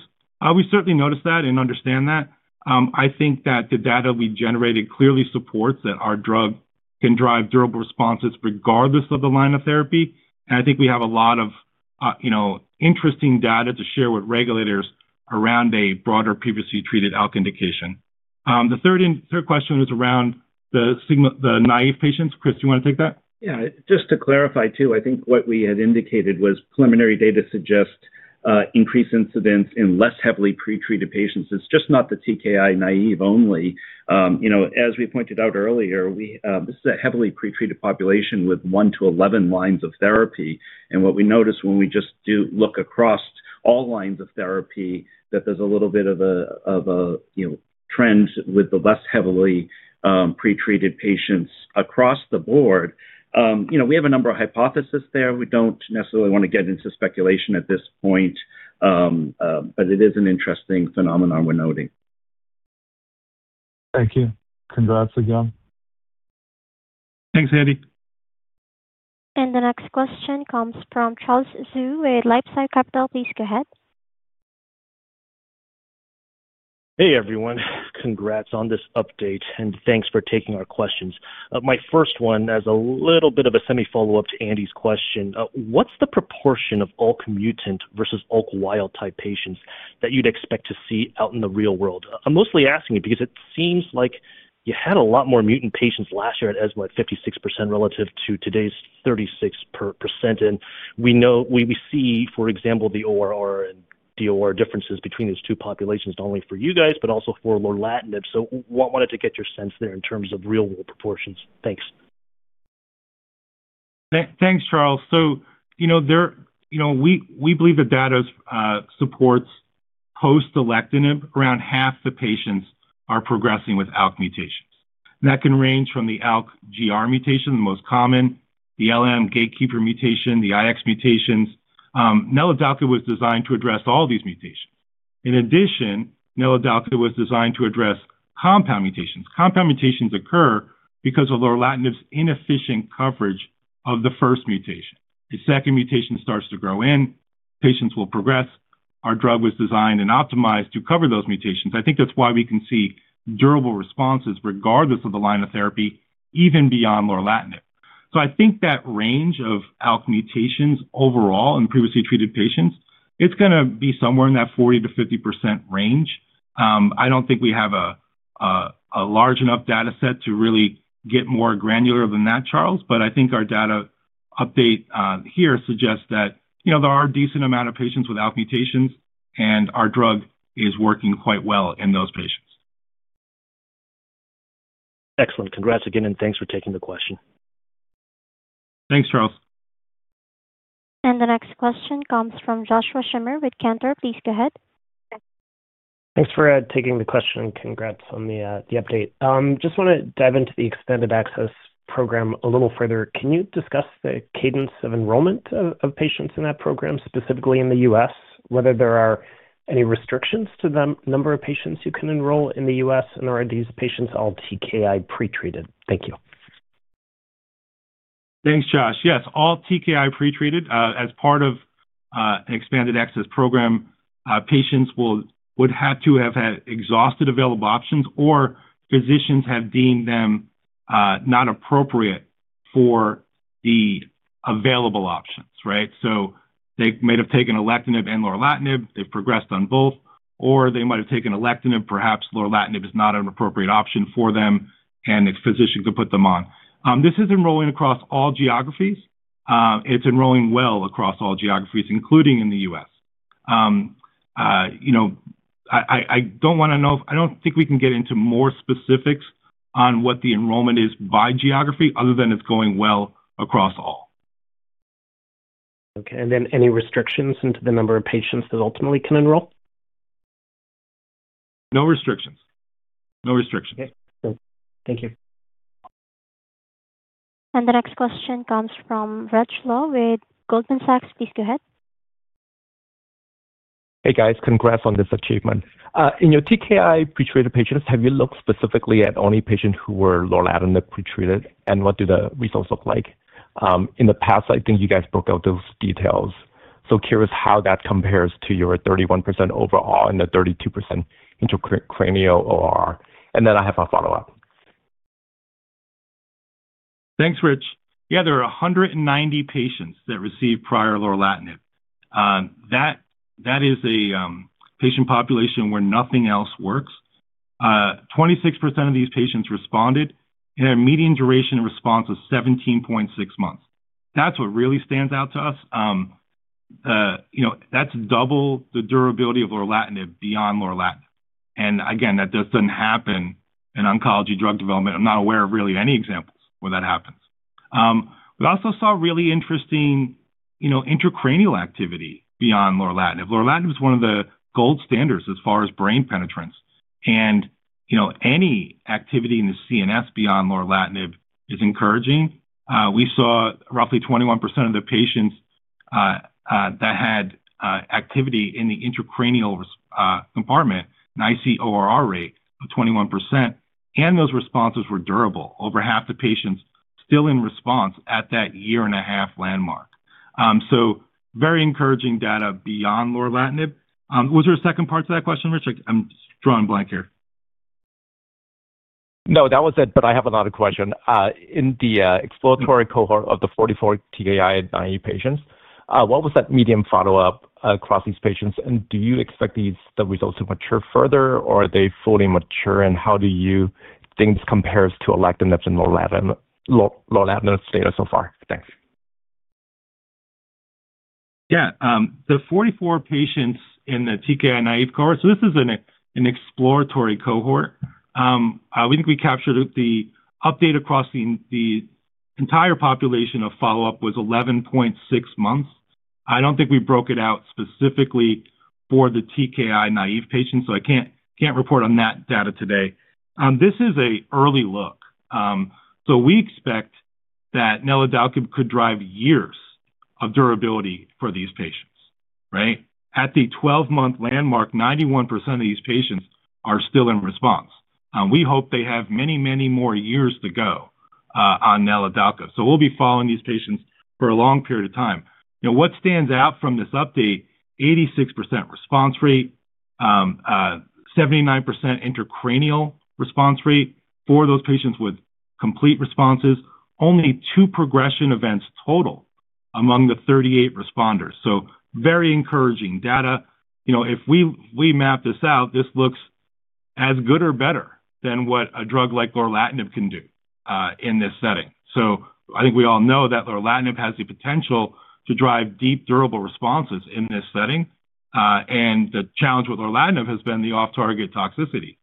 Speaker 3: We certainly noticed that and understand that. I think that the data we generated clearly supports that our drug can drive durable responses regardless of the line of therapy. I think we have a lot of interesting data to share with regulators around a broader previously treated ALK indication. The third question was around the naive patients. Chris, do you want to take that?
Speaker 5: Yeah. Just to clarify too, I think what we had indicated was preliminary data suggests increased incidence in less heavily pretreated patients. It's just not the TKI naive only. As we pointed out earlier, this is a heavily pretreated population with one to eleven lines of therapy. And what we noticed when we just look across all lines of therapy, that there's a little bit of a trend with the less heavily pretreated patients across the board. We have a number of hypotheses there. We don't necessarily want to get into speculation at this point, but it is an interesting phenomenon we're noting.
Speaker 10: Thank you. Congrats again.
Speaker 3: Thanks, Andy.
Speaker 1: The next question comes from Charles Zhu with Lifesight Capital. Please go ahead.
Speaker 11: Hey, everyone. Congrats on this update, and thanks for taking our questions. My first one is a little bit of a semi-follow-up to Andy's question. What's the proportion of ALK-mutant versus ALK-wild type patients that you'd expect to see out in the real world? I'm mostly asking you because it seems like you had a lot more mutant patients last year at ESMO at 56% relative to today's 36%. We see, for example, the ORR and DOR differences between these two populations, not only for you guys, but also for Lorlatinib. I wanted to get your sense there in terms of real-world proportions. Thanks.
Speaker 3: Thanks, Charles. We believe the data supports post-Alectinib, around half the patients are progressing with ALK mutations. That can range from the ALK G1202R mutation, the most common, the L1196M gatekeeper mutation, the I1171X mutations. Neladalkib was designed to address all these mutations. In addition, Neladalkib was designed to address compound mutations. Compound mutations occur because of Lorlatinib's inefficient coverage of the first mutation. The second mutation starts to grow in, patients will progress. Our drug was designed and optimized to cover those mutations. I think that's why we can see durable responses regardless of the line of therapy, even beyond Lorlatinib. I think that range of ALK mutations overall in previously treated patients, it's going to be somewhere in that 40%-50% range. I do not think we have a large enough data set to really get more granular than that, Charles. I think our data update here suggests that there are a decent amount of patients with ALK mutations, and our drug is working quite well in those patients.
Speaker 11: Excellent. Congrats again, and thanks for taking the question.
Speaker 3: Thanks, Charles.
Speaker 1: The next question comes from Joshua Schimmer with Cantor. Please go ahead.
Speaker 12: Thanks for taking the question. Congrats on the update. Just want to dive into the expanded access program a little further. Can you discuss the cadence of enrollment of patients in that program, specifically in the U.S., whether there are any restrictions to the number of patients you can enroll in the U.S., and are these patients all TKI pretreated? Thank you.
Speaker 3: Thanks, Josh. Yes, all TKI pretreated. As part of the expanded access program, patients would have to have had exhausted available options, or physicians have deemed them not appropriate for the available options, right? They might have taken Alectinib and Lorlatinib, they've progressed on both, or they might have taken Alectinib, perhaps Lorlatinib is not an appropriate option for them, and a physician could put them on. This is enrolling across all geographies. It's enrolling well across all geographies, including in the U.S. I don't want to know if I don't think we can get into more specifics on what the enrollment is by geography other than it's going well across all.
Speaker 12: Okay. Are there any restrictions into the number of patients that ultimately can enroll?
Speaker 3: No restrictions. No restrictions.
Speaker 12: Okay. Thank you.
Speaker 1: The next question comes from Rick Lowe with Goldman Sachs. Please go ahead.
Speaker 13: Hey, guys. Congrats on this achievement. In your TKI pretreated patients, have you looked specifically at only patients who were Lorlatinib pretreated, and what do the results look like? In the past, I think you guys broke out those details. Curious how that compares to your 31% overall and the 32% intracranial OR. I have a follow-up.
Speaker 3: Thanks, Rich. Yeah, there are 190 patients that received prior Lorlatinib. That is a patient population where nothing else works. 26% of these patients responded, and their median duration of response was 17.6 months. That's what really stands out to us. That's double the durability of Lorlatinib beyond Lorlatinib. That just doesn't happen in oncology drug development. I'm not aware of really any examples where that happens. We also saw really interesting intracranial activity beyond Lorlatinib. Lorlatinib is one of the gold standards as far as brain penetrance. Any activity in the CNS beyond Lorlatinib is encouraging. We saw roughly 21% of the patients that had activity in the intracranial compartment, an ICOR rate of 21%, and those responses were durable. Over half the patients still in response at that year-and-a-half landmark. Very encouraging data beyond Lorlatinib. Was there a second part to that question, Rick? I'm drawing a blank here.
Speaker 13: No, that was it, but I have another question. In the exploratory cohort of the 44 TKI naive patients, what was that median follow-up across these patients? Do you expect the results to mature further, or are they fully mature, and how do you think this compares to Alectinib's and Lorlatinib's data so far? Thanks.
Speaker 3: Yeah. The 44 patients in the TKI naive cohort, so this is an exploratory cohort. We think we captured the update across the entire population of follow-up was 11.6 months. I do not think we broke it out specifically for the TKI naive patients, so I cannot report on that data today. This is an early look. We expect that Neladalkib could drive years of durability for these patients, right? At the 12-month landmark, 91% of these patients are still in response. We hope they have many, many more years to go on Neladalkib. We'll be following these patients for a long period of time. What stands out from this update? 86% response rate, 79% intracranial response rate for those patients with complete responses, only two progression events total among the 38 responders. Very encouraging data. If we map this out, this looks as good or better than what a drug like Lorlatinib can do in this setting. I think we all know that Lorlatinib has the potential to drive deep durable responses in this setting. The challenge with Lorlatinib has been the off-target toxicity.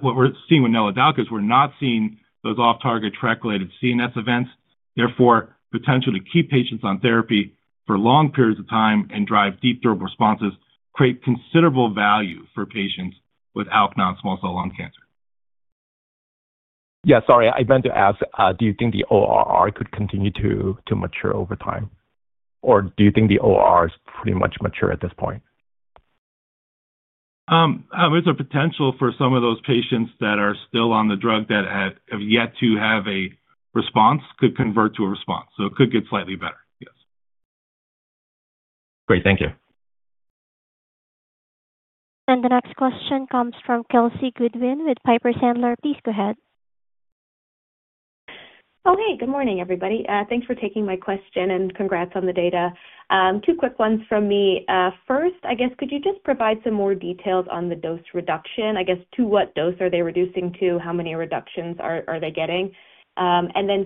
Speaker 3: What we're seeing with Neladalkib is we're not seeing those off-target track-related CNS events. Therefore, potentially keep patients on therapy for long periods of time and drive deep durable responses, create considerable value for patients with ALK-positive non-small cell lung cancer.
Speaker 13: Yeah. Sorry, I meant to ask, do you think the ORR could continue to mature over time? Or do you think the ORR is pretty much mature at this point?
Speaker 3: There's a potential for some of those patients that are still on the drug that have yet to have a response could convert to a response. So it could get slightly better, yes.
Speaker 13: Great. Thank you.
Speaker 1: The next question comes from Kelsey Goodwin with Piper Sandler. Please go ahead.
Speaker 14: Okay. Good morning, everybody. Thanks for taking my question, and congrats on the data. Two quick ones from me. First, I guess, could you just provide some more details on the dose reduction? I guess, to what dose are they reducing to? How many reductions are they getting?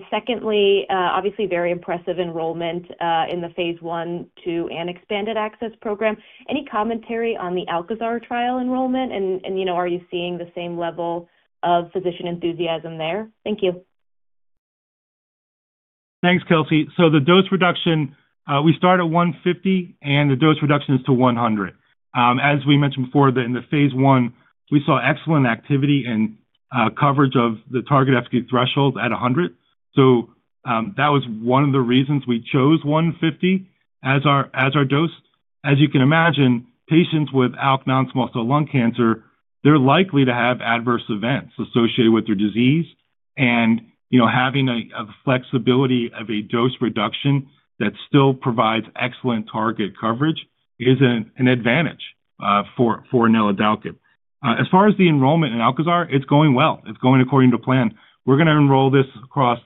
Speaker 14: Secondly, obviously, very impressive enrollment in the Phase I,II, and expanded access program. Any commentary on the ALKAZAR trial enrollment? Are you seeing the same level of physician enthusiasm there? Thank you.
Speaker 3: Thanks, Kelsey. The dose reduction, we start at 150, and the dose reduction is to 100. As we mentioned before, in the Phase I, we saw excellent activity and coverage of the target FDA threshold at 100. That was one of the reasons we chose 150 as our dose. As you can imagine, patients with ALK-positive non-small cell lung cancer are likely to have adverse events associated with their disease. Having a flexibility of a dose reduction that still provides excellent target coverage is an advantage for Neladalkib. As far as the enrollment in ALKAZAR, it is going well. It is going according to plan. We are going to enroll this across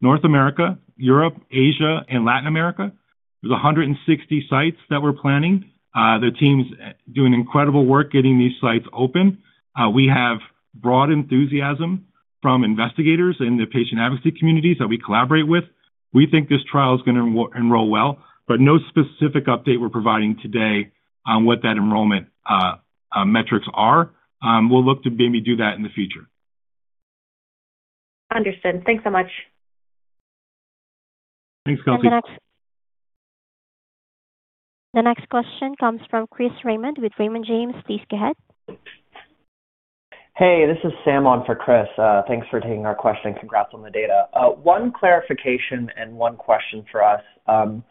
Speaker 3: North America, Europe, Asia, and Latin America. There are 160 sites that we are planning. The team's doing incredible work getting these sites open. We have broad enthusiasm from investigators in the patient advocacy communities that we collaborate with. We think this trial is going to enroll well, but no specific update we are providing today on what that enrollment metrics are. We will look to maybe do that in the future.
Speaker 14: Understood. Thanks so much.
Speaker 3: Thanks, Kelsey.
Speaker 1: The next question comes from Chris Raymond with Raymond James. Please go ahead.
Speaker 15: Hey, this is Sam on for Chris. Thanks for taking our question. Congrats on the data. One clarification and one question for us. In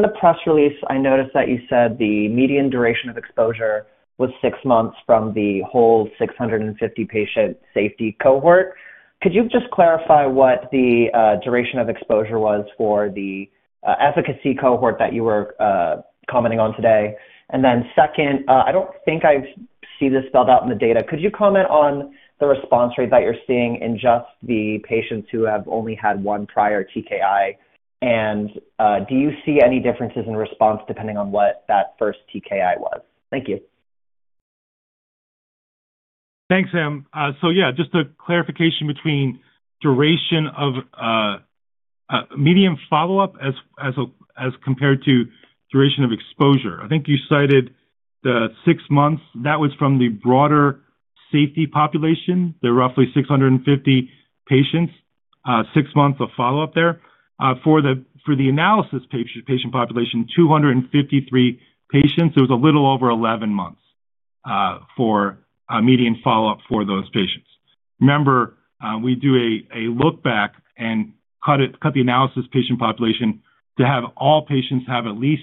Speaker 15: the press release, I noticed that you said the median duration of exposure was six months from the whole 650-patient safety cohort. Could you just clarify what the duration of exposure was for the efficacy cohort that you were commenting on today? I do not think I see this spelled out in the data. Could you comment on the response rate that you're seeing in just the patients who have only had one prior TKI? And do you see any differences in response depending on what that first TKI was? Thank you.
Speaker 3: Thanks, Sam. So yeah, just a clarification between duration of median follow-up as compared to duration of exposure. I think you cited the six months. That was from the broader safety population. There are roughly 650 patients, six months of follow-up there. For the analysis patient population, 253 patients. It was a little over 11 months for median follow-up for those patients. Remember, we do a look-back and cut the analysis patient population to have all patients have at least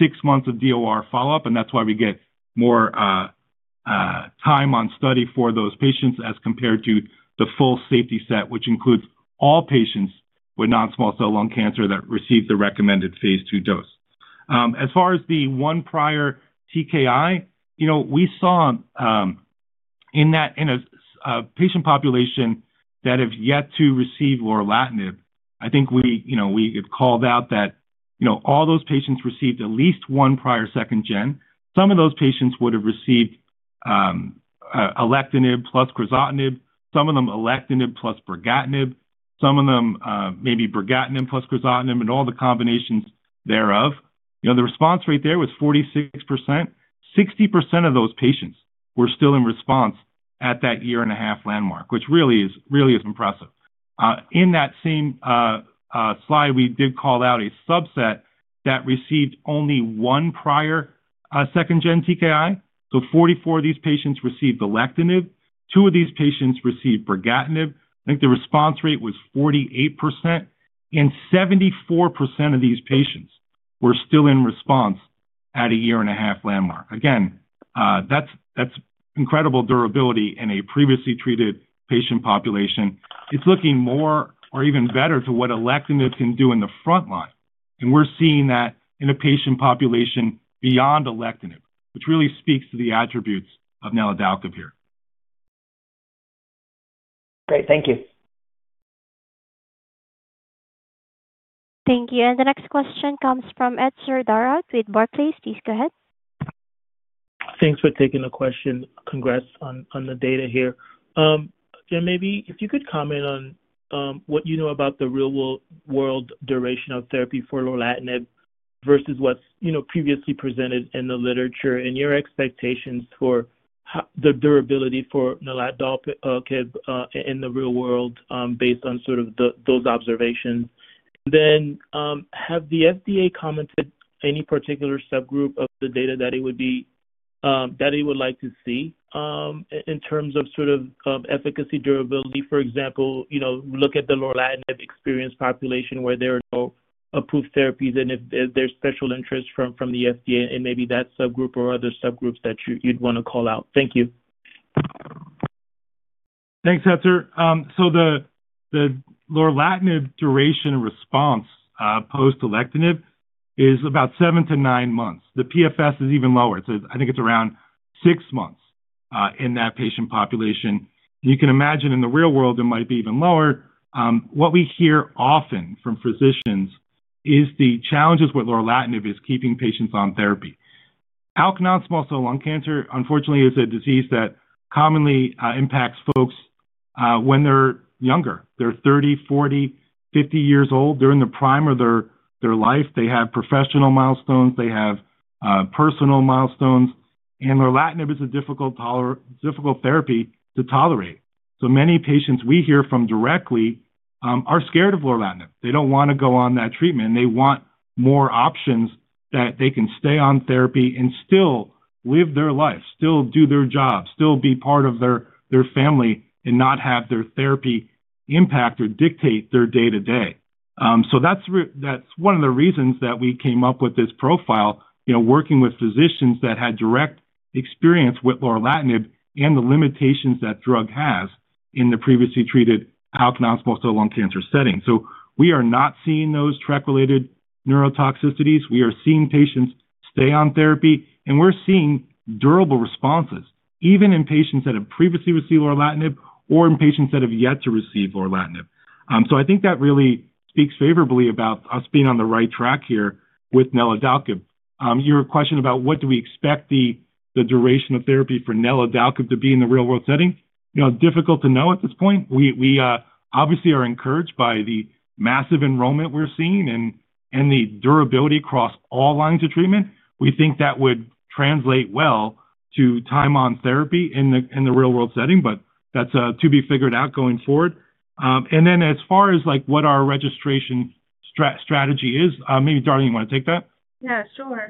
Speaker 3: six months of DOR follow-up, and that's why we get more time on study for those patients as compared to the full safety set, which includes all patients with non-small cell lung cancer that receive the recommended Phase II dose. As far as the one prior TKI, we saw in that patient population that have yet to receive Lorlatinib, I think we have called out that all those patients received at least one prior second gen. Some of those patients would have received Alectinib plus Crizotinib, some of them Alectinib plus Brigatinib, some of them maybe Brigatinib plus Crizotinib, and all the combinations thereof. The response rate there was 46%. 60% of those patients were still in response at that year-and-a-half landmark, which really is impressive. In that same slide, we did call out a subset that received only one prior second-gen TKI. So 44 of these patients received Alectinib. Two of these patients received Brigatinib. I think the response rate was 48%. And 74% of these patients were still in response at a year-and-a-half landmark. Again, that's incredible durability in a previously treated patient population. It's looking more or even better to what Alectinib can do in the front line. We're seeing that in a patient population beyond Alectinib, which really speaks to the attributes of Neladalkib here.
Speaker 15: Great. Thank you.
Speaker 1: Thank you. The next question comes from Ed Serdaro with Berkeley. Please go ahead.
Speaker 16: Thanks for taking the question. Congrats on the data here. Maybe if you could comment on what you know about the real-world duration of therapy for Lorlatinib versus what's previously presented in the literature and your expectations for the durability for Neladalkib in the real world based on sort of those observations. Have the FDA commented any particular subgroup of the data that it would like to see in terms of sort of efficacy, durability? For example, look at the Lorlatinib experience population where there are no approved therapies and if there's special interest from the FDA in maybe that subgroup or other subgroups that you'd want to call out. Thank you.
Speaker 3: Thanks, Edser. The Lorlatinib duration response post-Alectinib is about seven to nine months. The PFS is even lower. I think it's around six months in that patient population. You can imagine in the real world, it might be even lower. What we hear often from physicians is the challenges with Lorlatinib is keeping patients on therapy. ALK non-small cell lung cancer, unfortunately, is a disease that commonly impacts folks when they're younger. They're 30, 40, 50 years old. They're in the prime of their life. They have professional milestones. They have personal milestones. Lorlatinib is a difficult therapy to tolerate. Many patients we hear from directly are scared of Lorlatinib. They do not want to go on that treatment. They want more options that they can stay on therapy and still live their life, still do their job, still be part of their family, and not have their therapy impact or dictate their day-to-day. That's one of the reasons that we came up with this profile, working with physicians that had direct experience with Lorlatinib and the limitations that drug has in the previously treated ALK-positive non-small cell lung cancer setting. We are not seeing those track-related neurotoxicities. We are seeing patients stay on therapy. We're seeing durable responses, even in patients that have previously received Lorlatinib or in patients that have yet to receive Lorlatinib. I think that really speaks favorably about us being on the right track here with Neladalkib. Your question about what do we expect the duration of therapy for Neladalkib to be in the real-world setting, difficult to know at this point. We obviously are encouraged by the massive enrollment we're seeing and the durability across all lines of treatment. We think that would translate well to time on therapy in the real-world setting, but that's to be figured out going forward. As far as what our registration strategy is, maybe Darlene, you want to take that?
Speaker 17: Yeah, sure.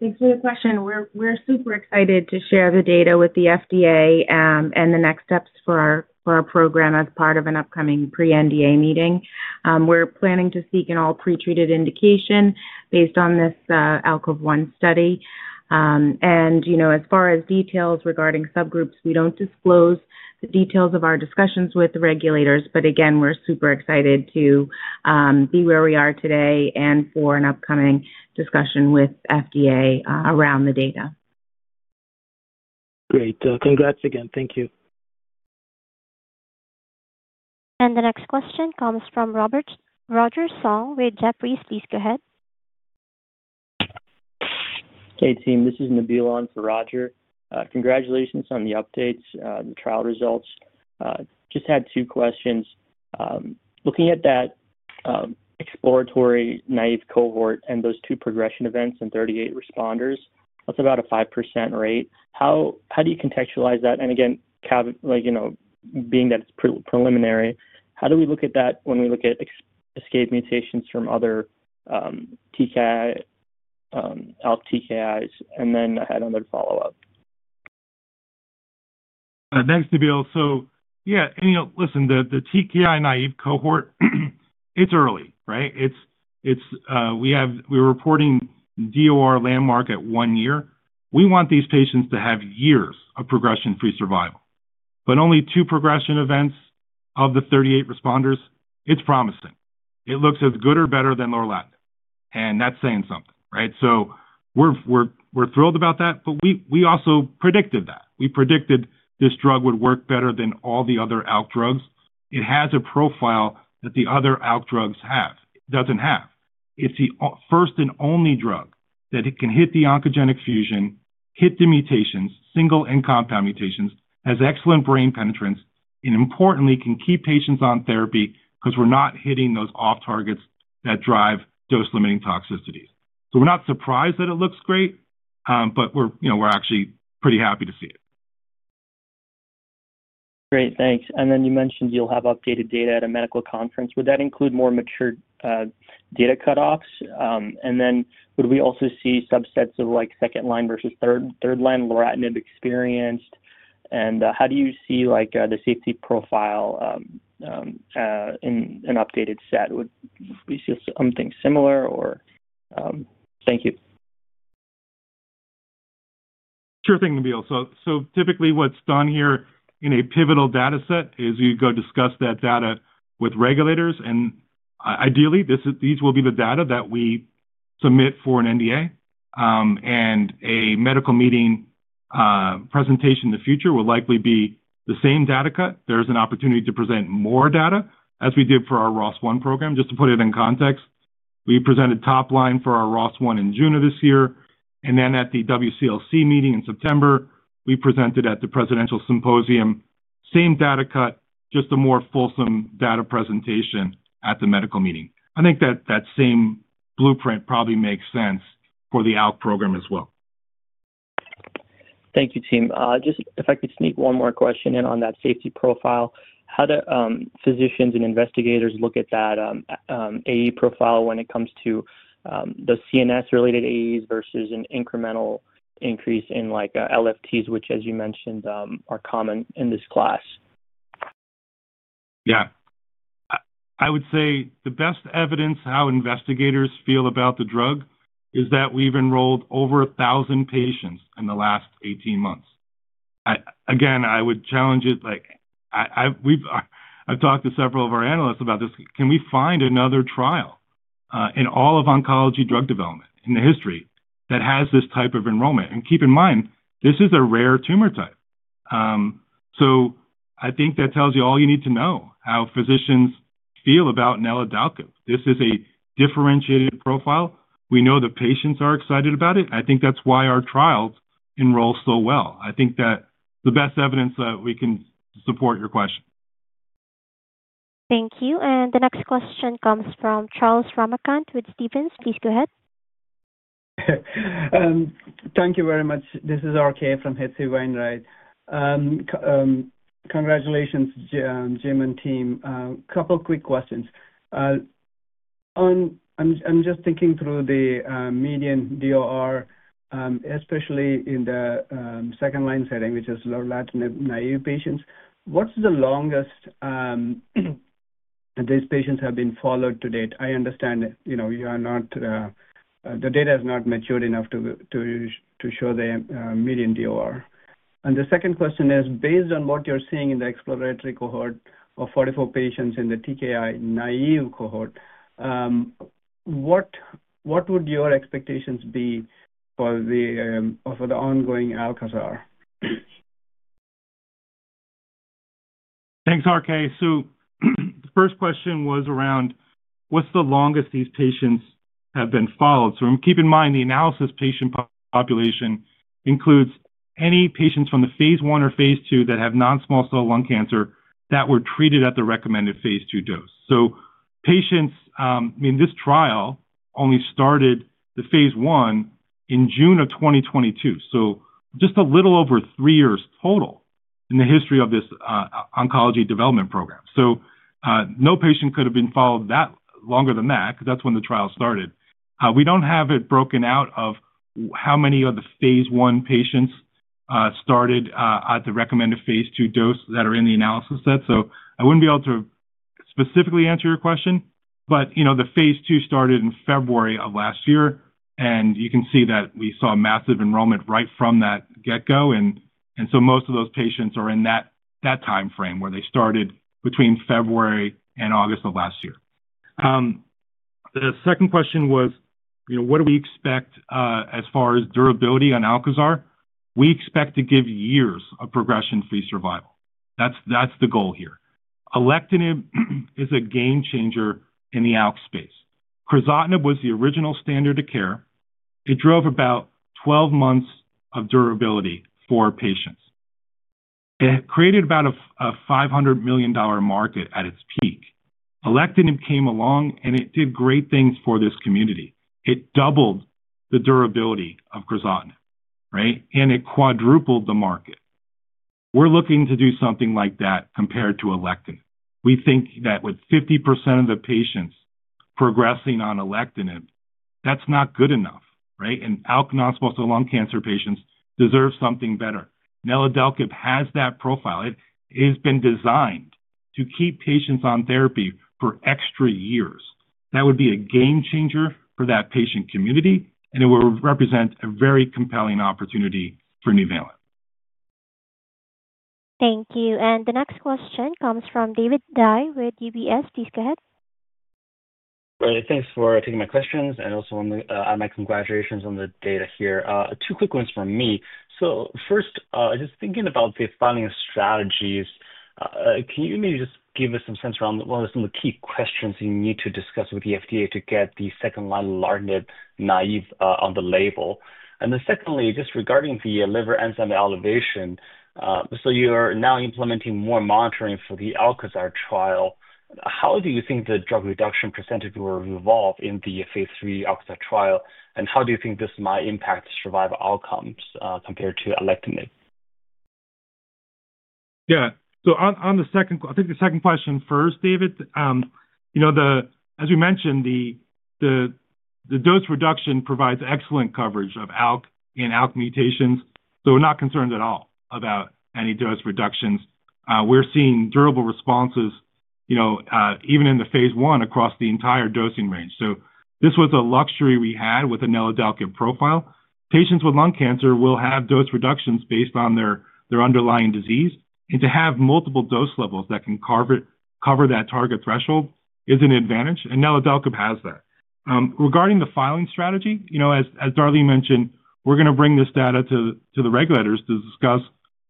Speaker 17: Thanks for the question. We're super excited to share the data with the FDA and the next steps for our program as part of an upcoming pre-NDA meeting. We're planning to seek an all-pre-treated indication based on this ALKOVE-1 study. As far as details regarding subgroups, we don't disclose the details of our discussions with the regulators. Again, we're super excited to be where we are today and for an upcoming discussion with FDA around the data.
Speaker 16: Great. Congrats again. Thank you.
Speaker 1: The next question comes from Robert Roger Song with Jeffries. Please go ahead.
Speaker 18: Hey, team. This is Nabil on for Roger. Congratulations on the updates, the trial results. Just had two questions. Looking at that exploratory naive cohort and those two progression events and 38 responders, that's about a 5% rate. How do you contextualize that? And again, being that it's preliminary, how do we look at that when we look at escape mutations from other ALK TKIs? And then I had another follow-up.
Speaker 3: Thanks, Nabil. Yeah, listen, the TKI naive cohort, it's early, right? We're reporting DOR landmark at one year. We want these patients to have years of progression-free survival. Only two progression events of the 38 responders, it's promising. It looks as good or better than Lorlatinib. That's saying something, right? We're thrilled about that. We also predicted that. We predicted this drug would work better than all the other ALK drugs. It has a profile that the other ALK drugs do not have. It is the first and only drug that can hit the oncogenic fusion, hit the mutations, single and compound mutations, has excellent brain penetrance, and importantly, can keep patients on therapy because we are not hitting those off-targets that drive dose-limiting toxicities. We are not surprised that it looks great, but we are actually pretty happy to see it.
Speaker 18: Great. Thanks. You mentioned you will have updated data at a medical conference. Would that include more mature data cutoffs? Would we also see subsets of second-line versus third-line Lorlatinib experienced? How do you see the safety profile in an updated set? Would you see something similar, or? Thank you.
Speaker 3: Sure thing, Nabil. Typically, what is done here in a pivotal data set is you go discuss that data with regulators. Ideally, these will be the data that we submit for an NDA. A medical meeting presentation in the future will likely be the same data cut. There is an opportunity to present more data as we did for our ROS1 program. Just to put it in context, we presented top line for our ROS1 in June of this year. At the WCLC meeting in September, we presented at the presidential symposium, same data cut, just a more fulsome data presentation at the medical meeting. I think that that same blueprint probably makes sense for the ALK program as well.
Speaker 18: Thank you, team. Just if I could sneak one more question in on that safety profile, how do physicians and investigators look at that AE profile when it comes to the CNS-related AEs versus an incremental increase in LFTs, which, as you mentioned, are common in this class?
Speaker 3: Yeah. I would say the best evidence how investigators feel about the drug is that we've enrolled over 1,000 patients in the last 18 months. Again, I would challenge it. I've talked to several of our analysts about this. Can we find another trial in all of oncology drug development in the history that has this type of enrollment? Keep in mind, this is a rare tumor type. I think that tells you all you need to know how physicians feel about Neladalkib. This is a differentiated profile. We know the patients are excited about it. I think that's why our trials enroll so well. I think that's the best evidence that we can support your question.
Speaker 1: Thank you. The next question comes from Charles Ramakanth with Stevens. Please go ahead.
Speaker 19: Thank you very much. This is RK from H.C. Wainwright. Congratulations, Jim and team. Couple of quick questions. I'm just thinking through the median DOR, especially in the second-line setting, which is Lorlatinib naive patients. What's the longest these patients have been followed to date? I understand you are not, the data is not matured enough to show the median DOR. The second question is, based on what you're seeing in the exploratory cohort of 44 patients in the TKI naive cohort, what would your expectations be for the ongoing ALKAZAR?
Speaker 3: Thanks, RK. The first question was around what's the longest these patients have been followed. Keep in mind the analysis patient population includes any patients from the Phase I or Phase II that have non-small cell lung cancer that were treated at the recommended Phase II dose. I mean, this trial only started the Phase I in June of 2022. Just a little over three years total in the history of this oncology development program. No patient could have been followed longer than that because that's when the trial started. We don't have it broken out of how many of the Phase I patients started at the recommended Phase II dose that are in the analysis set. I wouldn't be able to specifically answer your question. The Phase II started in February of last year. You can see that we saw massive enrollment right from that get-go. Most of those patients are in that time frame where they started between February and August of last year. The second question was, what do we expect as far as durability on ALKAZAR? We expect to give years of progression-free survival. That's the goal here. Alectinib is a game changer in the ALK space. Crizotinib was the original standard of care. It drove about 12 months of durability for patients. It created about a $500 million market at its peak. Alectinib came along, and it did great things for this community. It doubled the durability of Crizotinib, right? And it quadrupled the market. We're looking to do something like that compared to Alectinib. We think that with 50% of the patients progressing on Alectinib, that's not good enough, right? And ALK-positive non-small cell lung cancer patients deserve something better. Neladalkib has that profile. It has been designed to keep patients on therapy for extra years. That would be a game changer for that patient community. And it will represent a very compelling opportunity for Nuvalent.
Speaker 1: Thank you. The next question comes from David Dye with UBS. Please go ahead.
Speaker 20: Thanks for taking my questions. I'll make some graduations on the data here. Two quick ones from me. First, just thinking about the funding strategies, can you maybe just give us some sense around what are some of the key questions you need to discuss with the FDA to get the second-line Lorlatinib naive on the label? Secondly, just regarding the liver enzyme elevation, you're now implementing more monitoring for the ALKAZAR trial. How do you think the drug reduction percentage will evolve in the Phase III ALKAZAR trial? How do you think this might impact survival outcomes compared to Alectinib? Yeah. On the second, I think the second question first, David, as we mentioned, the dose reduction provides excellent coverage of ALK and ALK mutations. We're not concerned at all about any dose reductions.
Speaker 3: We're seeing durable responses even in the Phase I across the entire dosing range. This was a luxury we had with a Neladalkib profile. Patients with lung cancer will have dose reductions based on their underlying disease. To have multiple dose levels that can cover that target threshold is an advantage. Neladalkib has that. Regarding the filing strategy, as Darlene mentioned, we're going to bring this data to the regulators to discuss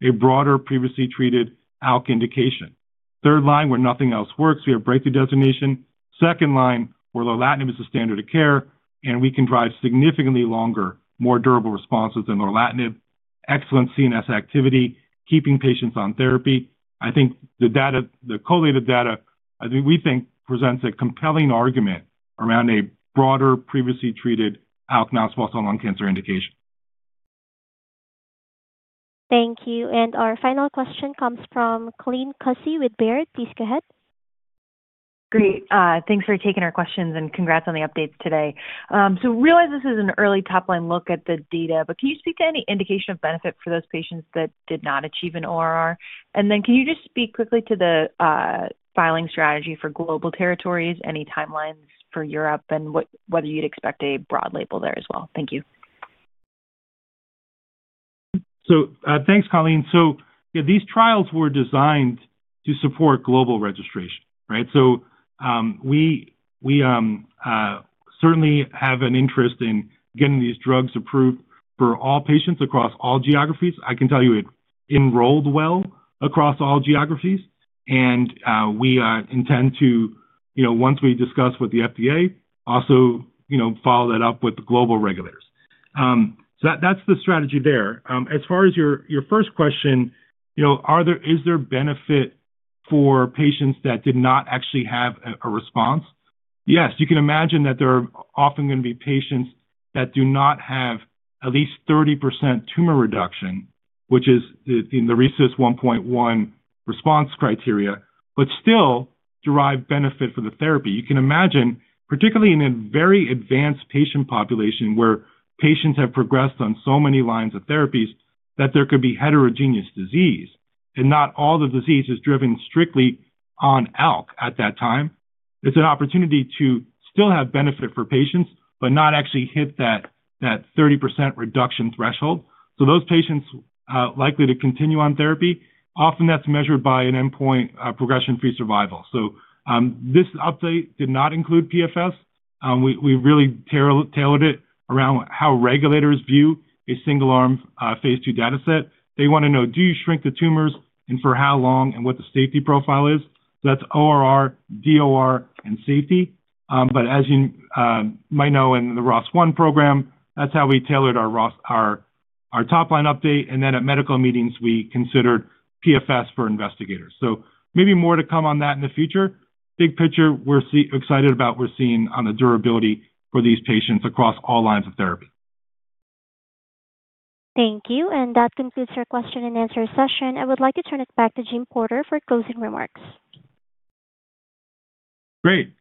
Speaker 3: a broader previously treated ALK indication. Third line, where nothing else works, we have breakthrough designation. Second line, where Lorlatinib is the standard of care, and we can drive significantly longer, more durable responses than Lorlatinib, excellent CNS activity, keeping patients on therapy. I think the collated data, we think, presents a compelling argument around a broader previously treated ALK non-small cell lung cancer indication.
Speaker 1: Thank you. Our final question comes from Colleen Cussie with Baird. Please go ahead.
Speaker 21: Great. Thanks for taking our questions. Congrats on the updates today. I realize this is an early top-line look at the data, but can you speak to any indication of benefit for those patients that did not achieve an ORR? Can you just speak quickly to the filing strategy for global territories, any timelines for Europe, and whether you'd expect a broad label there as well? Thank you.
Speaker 3: Thanks, Colleen. These trials were designed to support global registration, right? We certainly have an interest in getting these drugs approved for all patients across all geographies. I can tell you it enrolled well across all geographies. We intend to, once we discuss with the FDA, also follow that up with the global regulators. That is the strategy there. As far as your first question, is there benefit for patients that did not actually have a response? Yes. You can imagine that there are often going to be patients that do not have at least 30% tumor reduction, which is the RECIST 1.1 response criteria, but still derive benefit for the therapy. You can imagine, particularly in a very advanced patient population where patients have progressed on so many lines of therapies, that there could be heterogeneous disease. Not all the disease is driven strictly on ALK at that time. It is an opportunity to still have benefit for patients, but not actually hit that 30% reduction threshold. Those patients are likely to continue on therapy, often that is measured by an endpoint progression-free survival. This update did not include PFS. We really tailored it around how regulators view a single-arm Phase II data set. They want to know, do you shrink the tumors and for how long and what the safety profile is? That is ORR, DOR, and safety. As you might know, in the ROS1 program, that is how we tailored our top-line update. At medical meetings, we considered PFS for investigators. Maybe more to come on that in the future. Big picture, we are excited about what we are seeing on the durability for these patients across all lines of therapy.
Speaker 1: Thank you. That concludes our question and answer session. I would like to turn it back to Jim Porter for closing remarks.
Speaker 3: Great.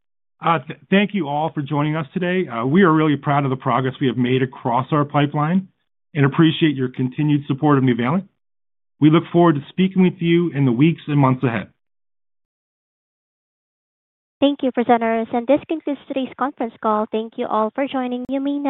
Speaker 3: Thank you all for joining us today. We are really proud of the progress we have made across our pipeline and appreciate your continued support of Nuvalent. We look forward to speaking with you in the weeks and months ahead.
Speaker 1: Thank you, presenters. This concludes today's conference call. Thank you all for joining. You may.